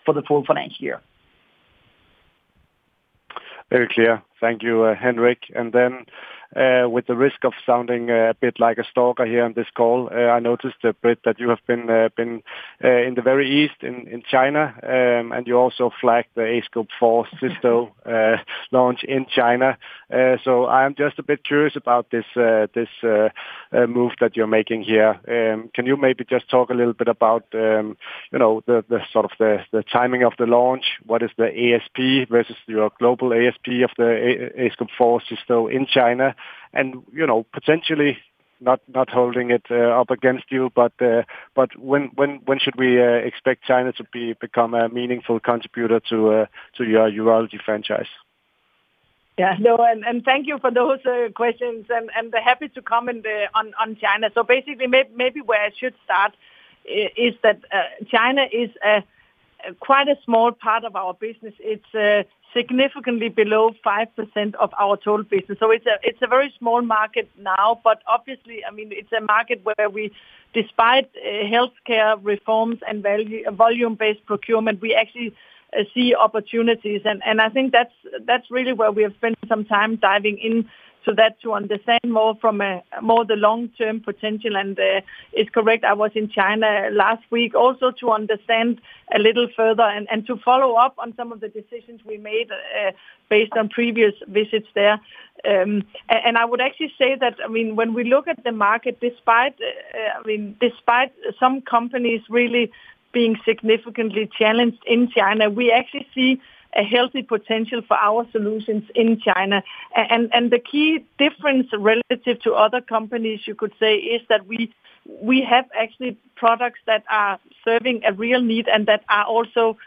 for the full financial year. Very clear. Thank you, Henrik. And then, with the risk of sounding a bit like a stalker here on this call, I noticed, Britt, that you have been in the Far East, in China, and you also flagged the aScope 4 system launch in China. So I am just a bit curious about this move that you're making here. Can you maybe just talk a little bit about, you know, the timing of the launch? What is the ASP versus your global ASP of the aScope 4 system in China? And, you know, potentially not holding it up against you, but when should we expect China to become a meaningful contributor to your urology franchise? Yeah. No, and thank you for those questions. And happy to comment on China. So basically, maybe where I should start is that China is quite a small part of our business. It's significantly below 5% of our total business. So it's a very small market now. But obviously, I mean, it's a market where we, despite healthcare reforms and volume-based procurement, we actually see opportunities. And I think that's really where we have spent some time diving into that to understand more from a more the long-term potential. And it's correct. I was in China last week also to understand a little further and to follow up on some of the decisions we made based on previous visits there. I would actually say that, I mean, when we look at the market despite, I mean, despite some companies really being significantly challenged in China, we actually see a healthy potential for our solutions in China. And the key difference relative to other companies, you could say, is that we have actually products that are serving a real need and that are also,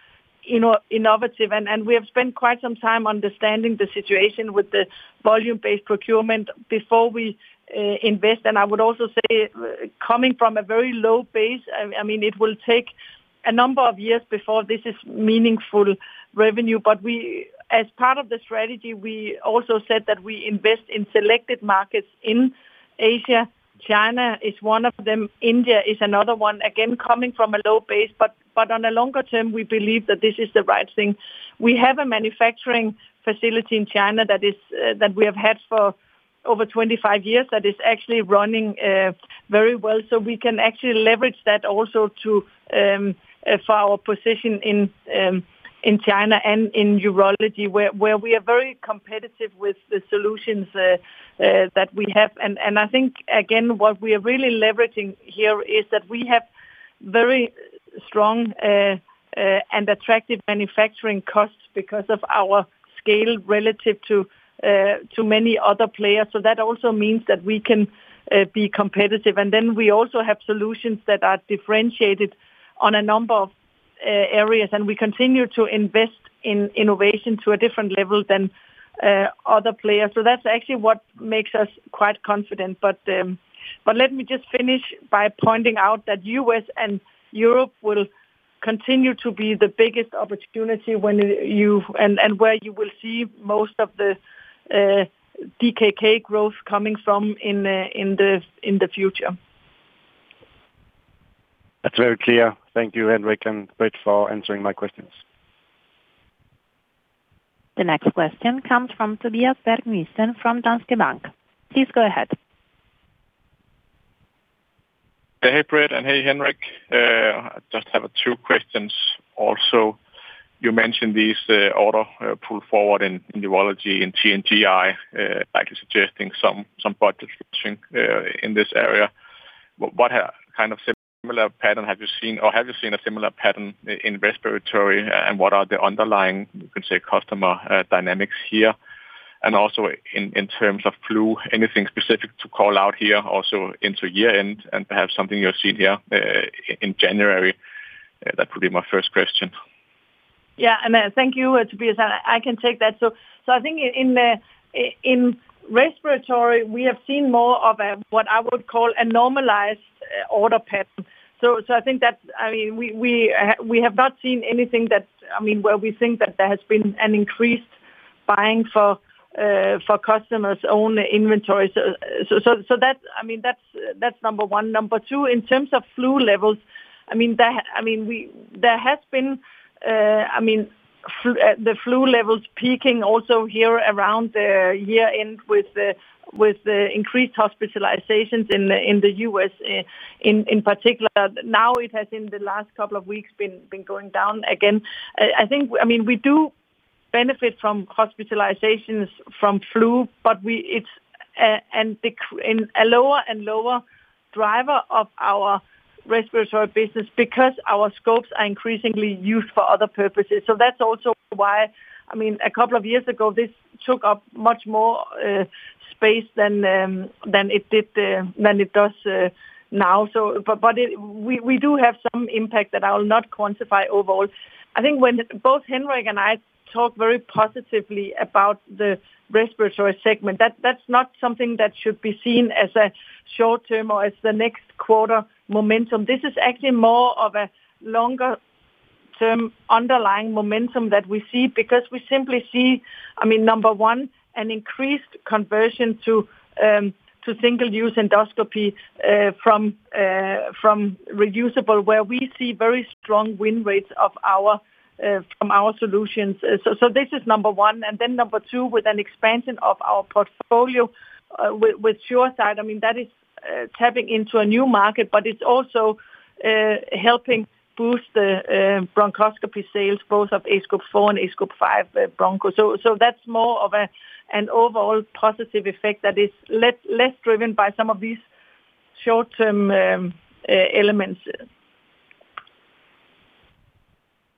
you know, innovative. And we have spent quite some time understanding the situation with the volume-based procurement before we invest. And I would also say, coming from a very low base, I mean, it will take a number of years before this is meaningful revenue. But we as part of the strategy, we also said that we invest in selected markets in Asia. China is one of them. India is another one, again, coming from a low base. But on a longer term, we believe that this is the right thing. We have a manufacturing facility in China that we have had for over 25 years that is actually running very well. So we can actually leverage that also for our position in China and in urology where we are very competitive with the solutions that we have. And I think, again, what we are really leveraging here is that we have very strong and attractive manufacturing costs because of our scale relative to many other players. So that also means that we can be competitive. And then we also have solutions that are differentiated on a number of areas. And we continue to invest in innovation to a different level than other players. So that's actually what makes us quite confident. Let me just finish by pointing out that the U.S. and Europe will continue to be the biggest opportunity when and where you will see most of the DKK growth coming from in the future. That's very clear. Thank you, Henrik and Britt, for answering my questions. The next question comes from Tobias Nissen from Danske Bank. Please go ahead. Hey, Britt. And hey, Henrik. I just have two questions also. You mentioned these order pull forward in urology and ENT & GI, likely suggesting some budget switching in this area. What kind of similar pattern have you seen or have you seen a similar pattern in respiratory, and what are the underlying, you can say, customer dynamics here? And also in terms of flu, anything specific to call out here also into year-end and perhaps something you've seen here in January? That would be my first question. Yeah. Thank you, Tobias. I can take that. So I think in respiratory, we have seen more of a what I would call a normalized order pattern. So I think that's—I mean, we have not seen anything that I mean, where we think that there has been an increased buying for customers' own inventory. So that—I mean, that's number one. Number two, in terms of flu levels, I mean, there has been—I mean, the flu levels peaking also here around the year-end with increased hospitalizations in the U.S., in particular. Now it has in the last couple of weeks been going down again. I think, well, I mean, we do benefit from hospitalizations from flu, but it's decreasingly a lower and lower driver of our respiratory business because our scopes are increasingly used for other purposes. So that's also why, I mean, a couple of years ago, this took up much more space than it does now. So, but we do have some impact that I will not quantify overall. I think when both Henrik and I talk very positively about the respiratory segment, that's not something that should be seen as a short-term or as the next quarter momentum. This is actually more of a longer-term underlying momentum that we see because we simply see I mean, number one, an increased conversion to single-use endoscopy from reusable where we see very strong win rates of our from our solutions. So this is number one. And then number two, with an expansion of our portfolio, with SureSight, I mean, that is tapping into a new market, but it's also helping boost the bronchoscopy sales, both of aScope 4 and aScope 5 Broncho. So that's more of an overall positive effect that is less driven by some of these short-term elements.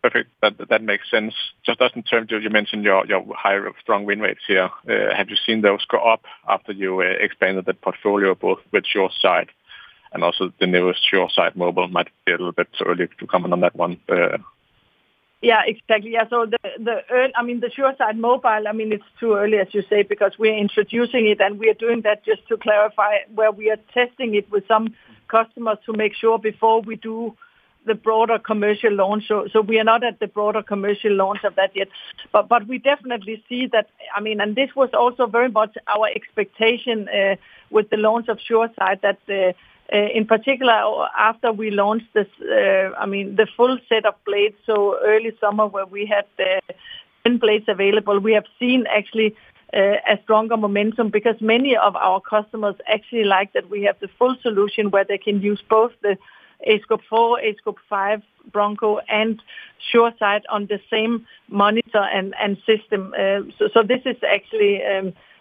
Perfect. That makes sense. Just in terms of you mentioned your higher strong win rates here. Have you seen those go up after you expanded that portfolio both with SureSight and also the newest SureSight Mobile? Might be a little bit too early to comment on that one. Yeah, exactly. Yeah. So the SureSight Mobile, I mean, it's too early, as you say, because we are introducing it. And we are doing that just to clarify where we are testing it with some customers to make sure before we do the broader commercial launch. So, so we are not at the broader commercial launch of that yet. But, but we definitely see that I mean, and this was also very much our expectation, with the launch of SureSight that, in particular, after we launched this, I mean, the full set of blades so early summer where we had 10 blades available, we have seen actually, a stronger momentum because many of our customers actually like that we have the full solution where they can use both the aScope 4, aScope 5 Broncho, and SureSight on the same monitor and, and system. So, this is actually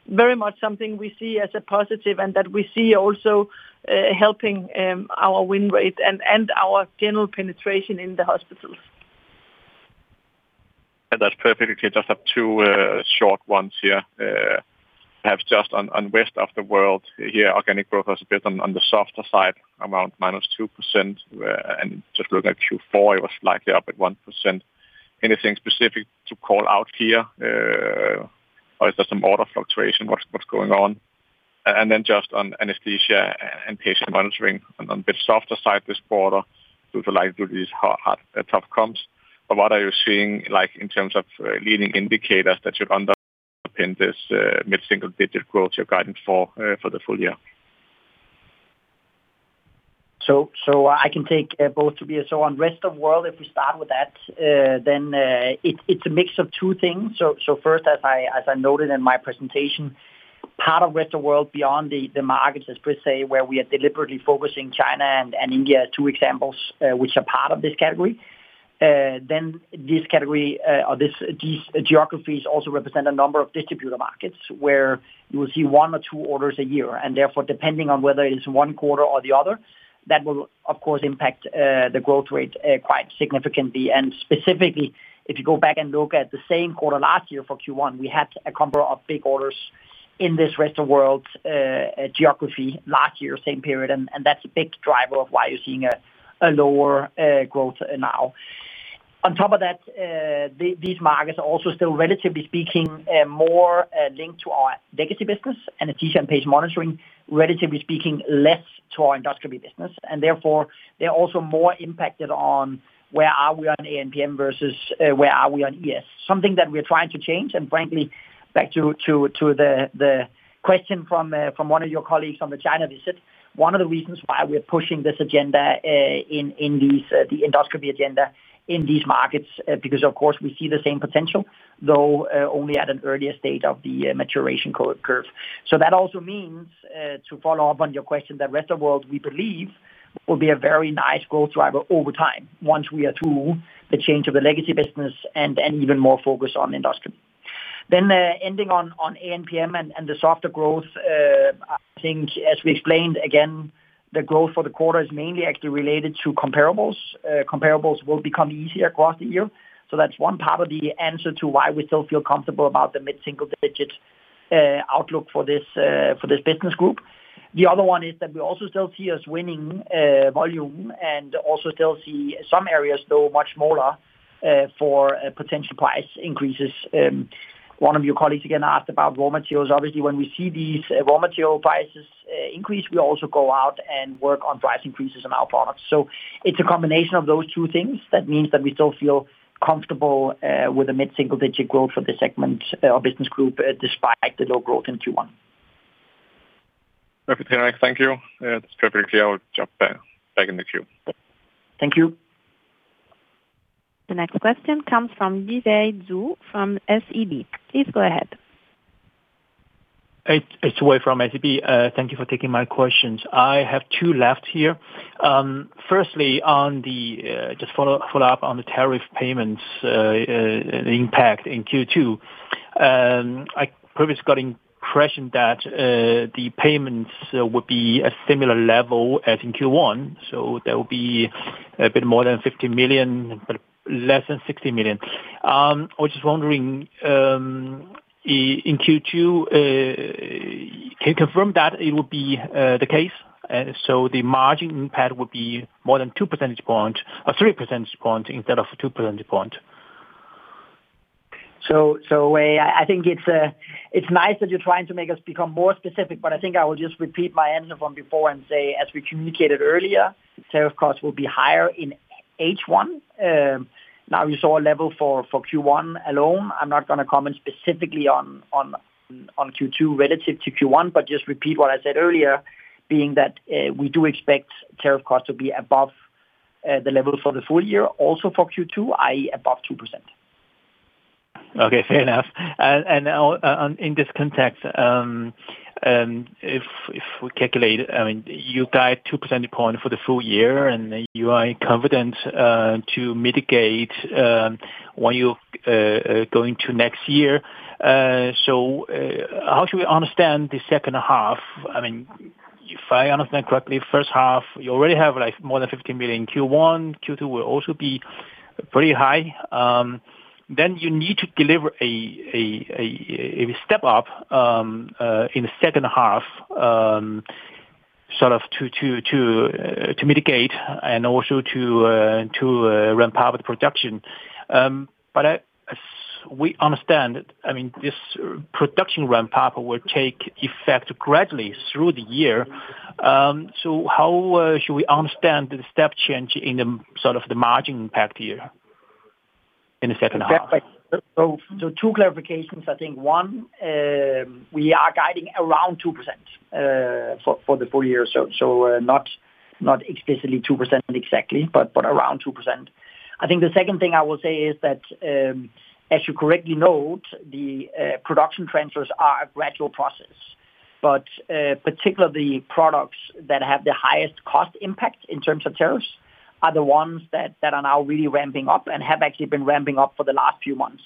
very much something we see as a positive and that we see also helping our win rate and our general penetration in the hospitals. Yeah. That's perfect. Actually, I just have two short ones here. Perhaps just on the Rest of the world here, organic growth was a bit on the softer side around -2%. And just looking at Q4, it was slightly up at 1%. Anything specific to call out here, or is there some order fluctuation? What's going on? And then just on Anesthesia and Patient Monitoring on a bit softer side this quarter likely due to these hard, tough comps. But what are you seeing, like, in terms of leading indicators that should underpin this mid-single-digit growth you're guiding for for the full year? So I can take both, Tobias. So on Rest of World, if we start with that, then it's a mix of two things. So first, as I noted in my presentation, part of Rest of World beyond the markets, as Britt says, where we are deliberately focusing China and India are two examples, which are part of this category. Then this category, or these geographies also represent a number of distributor markets where you will see one or two orders a year. And therefore, depending on whether it is one quarter or the other, that will, of course, impact the growth rate quite significantly. And specifically, if you go back and look at the same quarter last year for Q1, we had a number of big orders in this Rest of World geography last year, same period. And that's a big driver of why you're seeing a lower growth now. On top of that, these markets are also still, relatively speaking, more linked to our legacy business, Anesthesia and Patient Monitoring, relatively speaking, less to our industrial business. And therefore, they're also more impacted on where are we on A&PM versus where are we on ES, something that we're trying to change. And frankly, back to the question from one of your colleagues on the China visit, one of the reasons why we're pushing this agenda, the endoscopy agenda in these markets, because, of course, we see the same potential, though only at an earlier stage of the maturation curve. So that also means, to follow up on your question, that Rest of World, we believe, will be a very nice growth driver over time once we are through the change of the legacy business and even more focus on industry. Then, ending on A&PM and the softer growth, I think, as we explained, again, the growth for the quarter is mainly actually related to comparables. Comparables will become easier across the year. So that's one part of the answer to why we still feel comfortable about the mid-single-digit outlook for this business group. The other one is that we also still see us winning volume and also still see some areas, though much smaller, for potential price increases. One of your colleagues, again, asked about raw materials. Obviously, when we see these raw material prices increase, we also go out and work on price increases in our products. So it's a combination of those two things. That means that we still feel comfortable with a mid-single-digit growth for this segment, or business group, despite the low growth in Q1. Perfect, Henrik. Thank you. That's perfect. Actually, I'll jump back, back in the queue. Thank you. The next question comes from Yiwei Zhou from SEB. Please go ahead. It's Yiwei Zhou from SEB. Thank you for taking my questions. I have two left here. Firstly, just follow up on the tariff payments, the impact in Q2. I previously got the impression that the payments would be a similar level as in Q1. So there will be a bit more than 50 million but less than 60 million. I was just wondering, in Q2, can you confirm that it would be the case? So the margin impact would be more than 2 percentage points or 3 percentage points instead of 2 percentage points? So, Wei, I think it's nice that you're trying to make us become more specific. But I think I will just repeat my answer from before and say, as we communicated earlier, tariff costs will be higher in H1. Now you saw a level for Q1 alone. I'm not going to comment specifically on Q2 relative to Q1, but just repeat what I said earlier, being that we do expect tariff costs to be above the level for the full year, also for Q2, i.e., above 2%. Okay. Fair enough. And on in this context, if we calculate I mean, you got 2 percentage points for the full year, and you are confident to mitigate when you're going to next year. So, how should we understand the second half? I mean, if I understand correctly, first half, you already have, like, more than 50 million in Q1. Q2 will also be pretty high. Then you need to deliver a step up in the second half, sort of to mitigate and also to ramp up the production. But as we understand I mean, this production ramp up will take effect gradually through the year. So how should we understand the step change in the sort of the margin impact here in the second half? So, two clarifications. I think one, we are guiding around 2% for the full year. So, not explicitly 2% exactly, but around 2%. I think the second thing I will say is that, as you correctly note, the production transfers are a gradual process. But, particularly products that have the highest cost impact in terms of tariffs are the ones that are now really ramping up and have actually been ramping up for the last few months,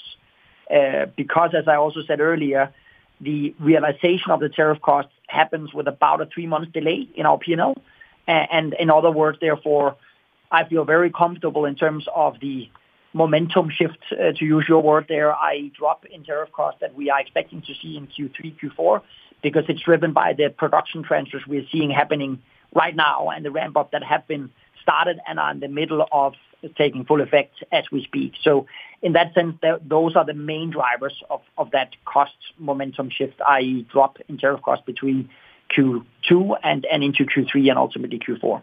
because, as I also said earlier, the realization of the tariff costs happens with about a three-month delay in our P&L. And, in other words, therefore, I feel very comfortable in terms of the momentum shift, to use your word there, i.e., drop in tariff costs that we are expecting to see in Q3, Q4 because it's driven by the production transfers we're seeing happening right now and the ramp up that have been started and are in the middle of taking full effect as we speak. So in that sense, those are the main drivers of that cost momentum shift, i.e., drop in tariff costs between Q2 and into Q3 and ultimately Q4.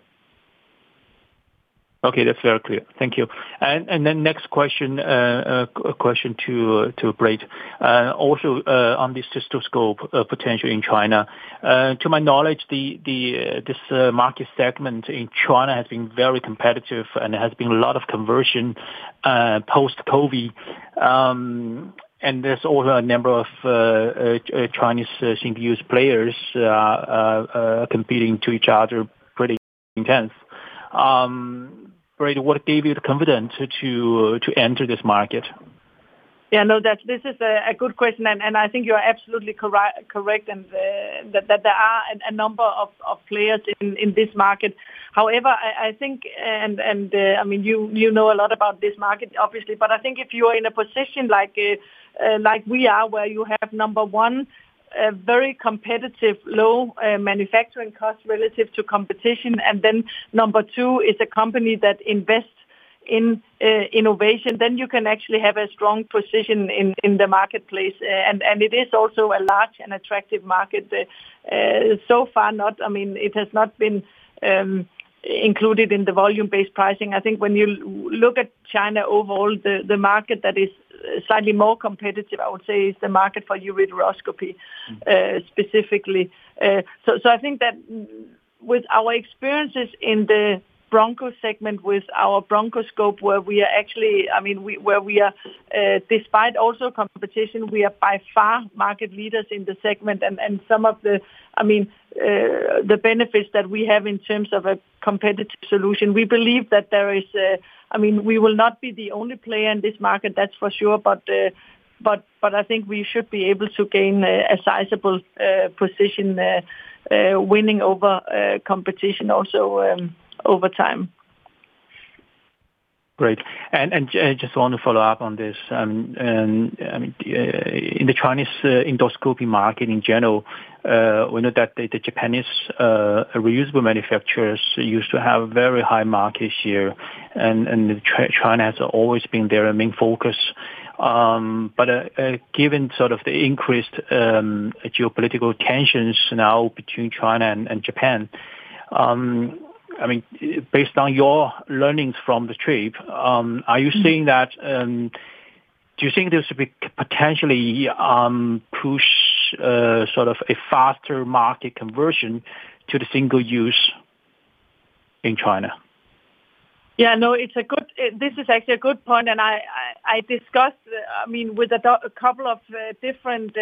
Okay. That's very clear. Thank you. And then next question, a question to Britt, also on this cystoscope potential in China. To my knowledge, this market segment in China has been very competitive, and there has been a lot of conversion post-COVID. And there's also a number of Chinese single-use players competing with each other pretty intensely. Britt, what gave you the confidence to enter this market? Yeah. No, this is a good question. And I think you are absolutely correct. And that there are a number of players in this market. However, I think and I mean, you know a lot about this market, obviously. But I think if you are in a position like we are where you have, number one, a very competitive low manufacturing cost relative to competition, and then number two, a company that invests in innovation, then you can actually have a strong position in the marketplace. And it is also a large and attractive market. So far, I mean, it has not been included in the volume-based pricing. I think when you look at China overall, the market that is slightly more competitive, I would say, is the market for ureteroscopy, specifically. So, I think that with our experiences in the broncho segment with our bronchoscope where we are actually—I mean, we're where we are—despite also competition, we are by far market leaders in the segment. And some of the—I mean, the benefits that we have in terms of a competitive solution, we believe that there is—I mean, we will not be the only player in this market. That's for sure. But I think we should be able to gain a sizable position, winning over competition also, over time. Great. And just want to follow up on this. I mean, in the Chinese endoscopy market in general, we know that the Japanese reusable manufacturers used to have a very high market share. And China has always been their main focus. But given sort of the increased geopolitical tensions now between China and Japan, I mean, based on your learnings from the trip, are you seeing that? Do you think there's a big potential push, sort of a faster market conversion to the single-use in China? Yeah. No, this is actually a good point. I discussed, I mean, with a few a couple of different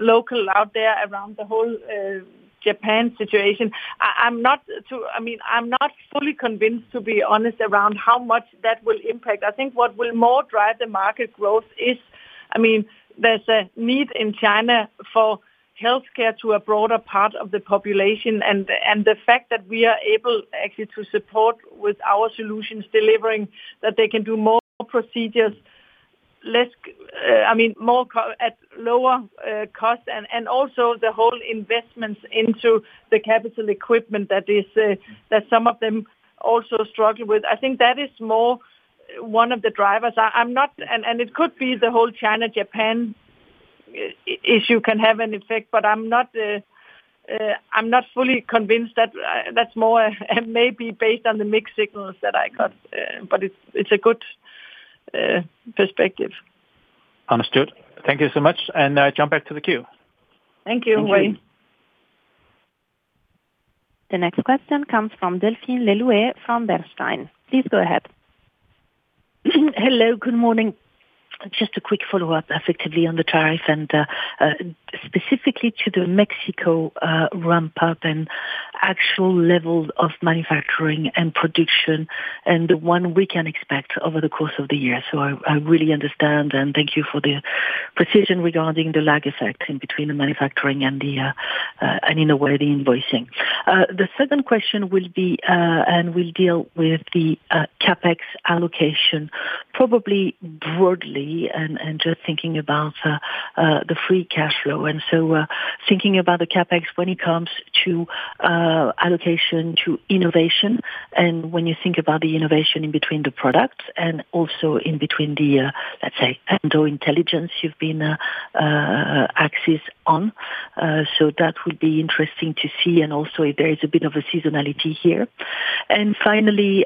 locals out there around the whole Japan situation. I'm not, I mean, I'm not fully convinced, to be honest, around how much that will impact. I think what will more drive the market growth is, I mean, there's a need in China for healthcare to a broader part of the population. And the fact that we are able actually to support with our solutions delivering that they can do more procedures at lower cost. And also the whole investments into the capital equipment that some of them also struggle with. I think that is more one of the drivers. I'm not, and it could be the whole China-Japan issue can have an effect. But I'm not fully convinced that that's more, and maybe based on the mixed signals that I got. But it's a good perspective. Understood. Thank you so much. And jump back to the queue. Thank you, Wei. Thank you. The next question comes from Delphine Le Louët from Bernstein. Please go ahead. Hello. Good morning. Just a quick follow-up, effectively, on the tariff and, specifically to the Mexico, ramp up and actual levels of manufacturing and production and the one we can expect over the course of the year. So I, I really understand. And thank you for the precision regarding the lag effect in between the manufacturing and the, and in a way, the invoicing. The second question will be, and will deal with the, CapEx allocation, probably broadly and, and just thinking about, the free cash flow. And so, thinking about the CapEx when it comes to, allocation. To innovation and when you think about the innovation in between the products and also in between the, let's say. EndoIntelligence you've been, focusing on. So that will be interesting to see and also if there is a bit of a seasonality here. And finally,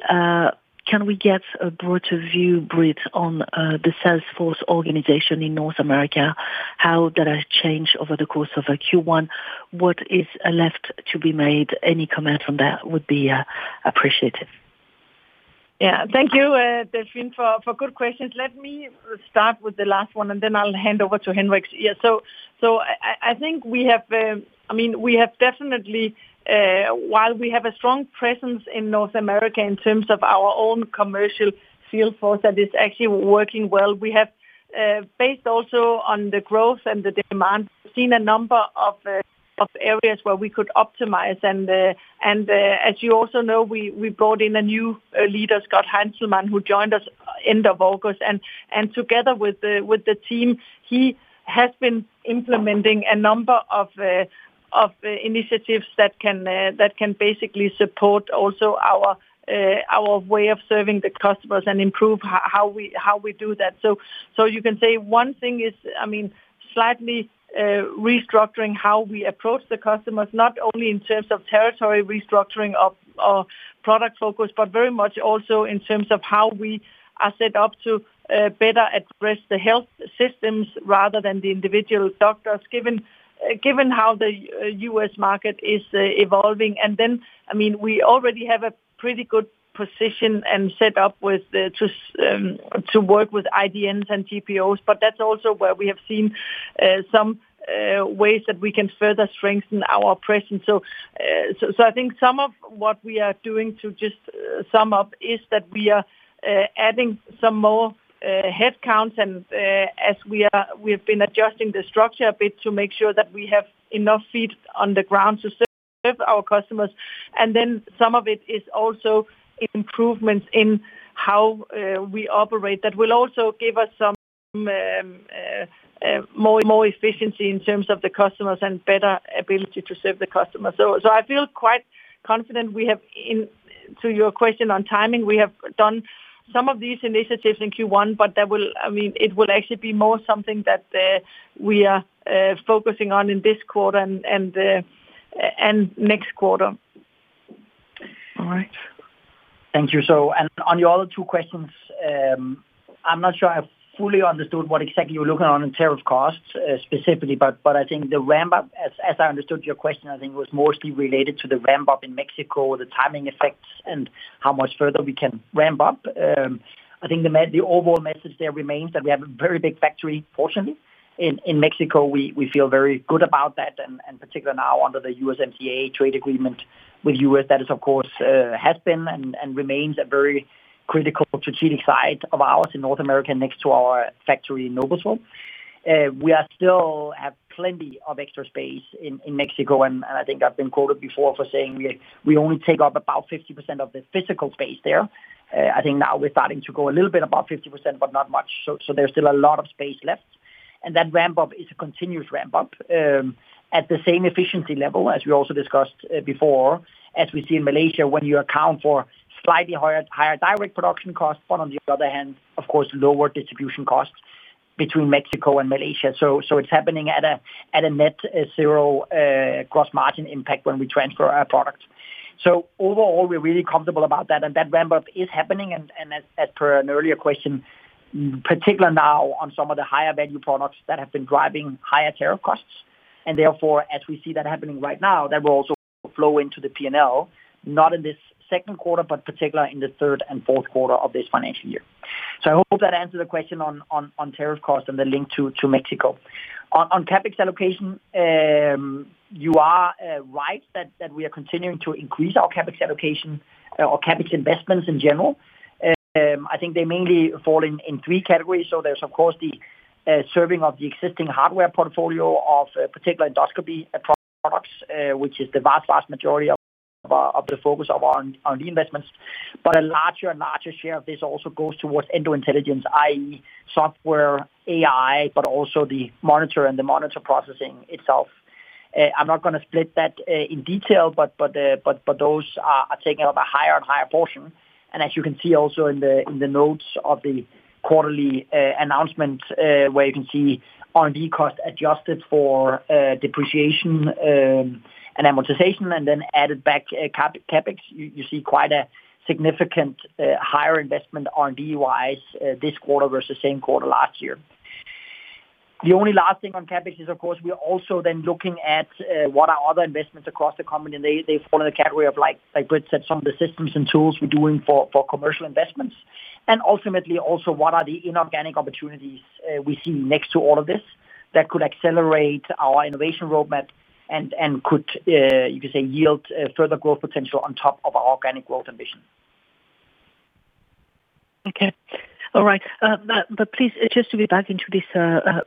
can we get a broader view, Britt, on the sales force organization in North America, how that has changed over the course of Q1, what is left to be made? Any comment on that would be appreciated. Yeah. Thank you, Delphine, for good questions. Let me start with the last one, and then I'll hand over to Henrik. Yeah. So, I think we have, I mean, we have definitely, while we have a strong presence in North America in terms of our own commercial salesforce that is actually working well, we have, based also on the growth and the demand, we've seen a number of areas where we could optimize. And, as you also know, we brought in a new leader, Scott Heinzelman, who joined us end of August. And together with the team, he has been implementing a number of initiatives that can basically support also our way of serving the customers and improve how we do that. So you can say one thing is, I mean, slightly restructuring how we approach the customers, not only in terms of territory restructuring of our product focus, but very much also in terms of how we are set up to better address the health systems rather than the individual doctors, given how the U.S. market is evolving. And then, I mean, we already have a pretty good position and set up to work with IDNs and GPOs. But that's also where we have seen some ways that we can further strengthen our presence. So I think some of what we are doing to just sum up is that we are adding some more headcounts. And as we have been adjusting the structure a bit to make sure that we have enough feet on the ground to serve our customers. And then some of it is also improvements in how we operate that will also give us some more efficiency in terms of the customers and better ability to serve the customers. So I feel quite confident. Into your question on timing, we have done some of these initiatives in Q1, but that will, I mean, it will actually be more something that we are focusing on in this quarter and next quarter. All right. Thank you. So, on your other two questions, I'm not sure I fully understood what exactly you were looking on in tariff costs, specifically. But I think the ramp up, as I understood your question, I think it was mostly related to the ramp up in Mexico, the timing effects, and how much further we can ramp up. I think the overall message there remains that we have a very big factory, fortunately, in Mexico. We feel very good about that. And particularly now under the U.S.MCA trade agreement with the U.S., that, of course, has been and remains a very critical strategic site of ours in North America next to our factory in Noblesville. We still have plenty of extra space in Mexico. And I think I've been quoted before for saying we only take up about 50% of the physical space there. I think now we're starting to go a little bit above 50%, but not much. So there's still a lot of space left. And that ramp up is a continuous ramp up, at the same efficiency level as we also discussed before, as we see in Malaysia when you account for slightly higher direct production costs. But on the other hand, of course, lower distribution costs between Mexico and Malaysia. So it's happening at a net zero gross margin impact when we transfer our products. So overall, we're really comfortable about that. And that ramp up is happening. And as per an earlier question, particularly now on some of the higher-value products that have been driving higher tariff costs. Therefore, as we see that happening right now, that will also flow into the P&L, not in this second quarter, but particularly in the third and fourth quarter of this financial year. So I hope that answered the question on tariff costs and the link to Mexico. On CapEx allocation, you are right that we are continuing to increase our CapEx allocation, or CapEx investments in general. I think they mainly fall in three categories. So there's, of course, the serving of the existing hardware portfolio of particular endoscopy products, which is the vast majority of the focus of our investments. But a larger and larger share of this also goes towards EndoIntelligence, i.e., software, AI, but also the monitor and the monitor processing itself. I'm not going to split that in detail, but those are taking up a higher and higher portion. And as you can see also in the notes of the quarterly announcement, where you can see R&D cost adjusted for depreciation and amortization and then added back CapEx, you see quite a significant higher investment R&D-wise this quarter versus same quarter last year. The only last thing on CapEx is, of course, we're also then looking at what are other investments across the company. And they fall in the category of, like Britt said, some of the systems and tools we're doing for commercial investments. And ultimately also, what are the inorganic opportunities we see next to all of this that could accelerate our innovation roadmap and, and could, you could say, yield further growth potential on top of our organic growth ambition. Okay. All right. But please, just to be back into this,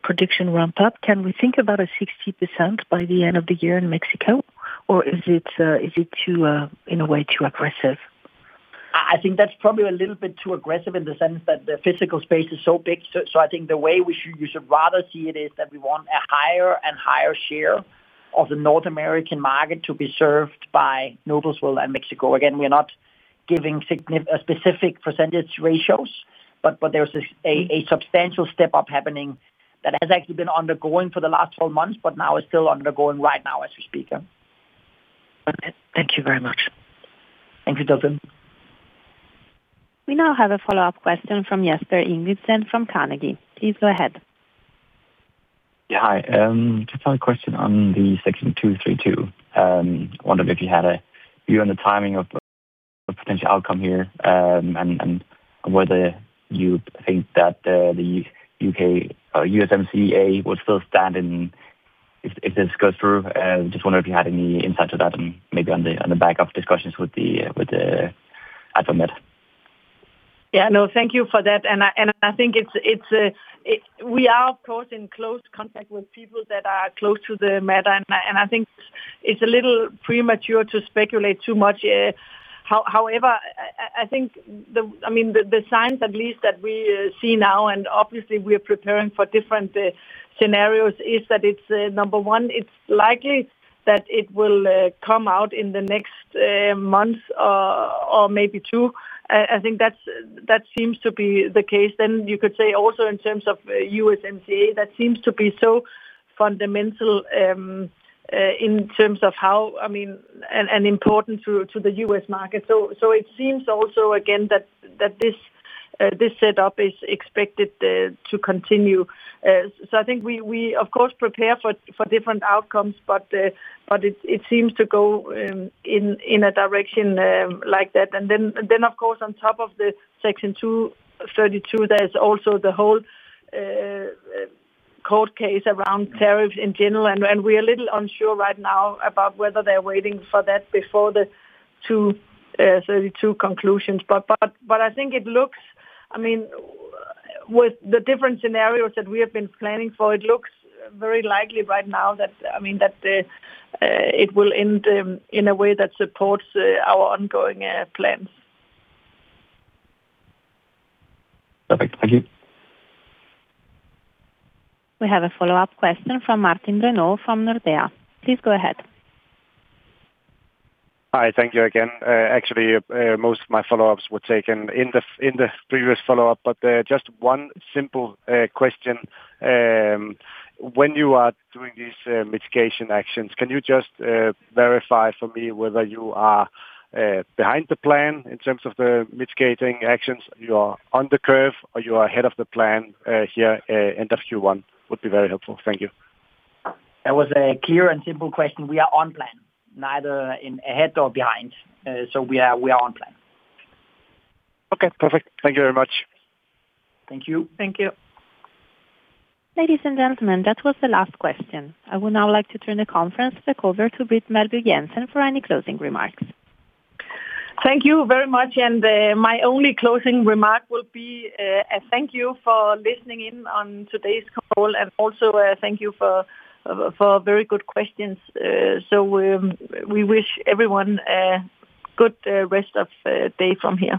production ramp up, can we think about a 60% by the end of the year in Mexico? Or is it too, in a way, too aggressive? I think that's probably a little bit too aggressive in the sense that the physical space is so big. So I think the way you should rather see it is that we want a higher and higher share of the North American market to be served by Noblesville and Mexico. Again, we are not giving a specific percentage ratios. But there's a substantial step up happening that has actually been undergoing for the last 12 months, but now is still undergoing right now as we speak. Okay. Thank you very much. Thank you, Delphine. We now have a follow-up question from Jesper Ingildsen from Carnegie. Please go ahead. Yeah. Hi. Just had a question on the Section 232. Wondered if you had a view on the timing of, of potential outcome here, and, and whether you think that, the UK or U.S.MCA would still stand in if, if this goes through. Just wondered if you had any insight to that and maybe on the, on the back of discussions with the, with the AdvaMed. Yeah. No, thank you for that. And I think it's that we are, of course, in close contact with people that are close to the matter. And I think it's a little premature to speculate too much, however, I think, I mean, the signs at least that we see now and obviously, we are preparing for different scenarios is that it's number one, it's likely that it will come out in the next months or maybe two. I think that seems to be the case. Then you could say also in terms of U.S.MCA, that seems to be so fundamental in terms of how, I mean, and important to the U.S. market. So it seems also, again, that this setup is expected to continue. So, I think we, of course, prepare for different outcomes. But it seems to go in a direction like that. And then, of course, on top of the Section 232, there's also the whole court case around tariffs in general. And we are a little unsure right now about whether they're waiting for that before the 232 conclusions. But I think it looks, I mean, with the different scenarios that we have been planning for, it looks very likely right now that, I mean, that it will end in a way that supports our ongoing plans. Perfect. Thank you. We have a follow-up question from Martin Brenøe from Nordea. Please go ahead. Hi. Thank you again. Actually, most of my follow-ups were taken in the previous follow-up. But just one simple question. When you are doing these mitigation actions, can you just verify for me whether you are behind the plan in terms of the mitigating actions? You are on the curve, or you are ahead of the plan here, end of Q1? Would be very helpful. Thank you. That was a clear and simple question. We are on plan, neither ahead nor behind. So we are on plan. Okay. Perfect. Thank you very much. Thank you. Thank you. Ladies and gentlemen, that was the last question. I would now like to turn the conference back over to Britt Meelby Jensen for any closing remarks. Thank you very much. My only closing remark will be a thank you for listening in on today's call. Also, thank you for very good questions. We wish everyone good rest of day from here.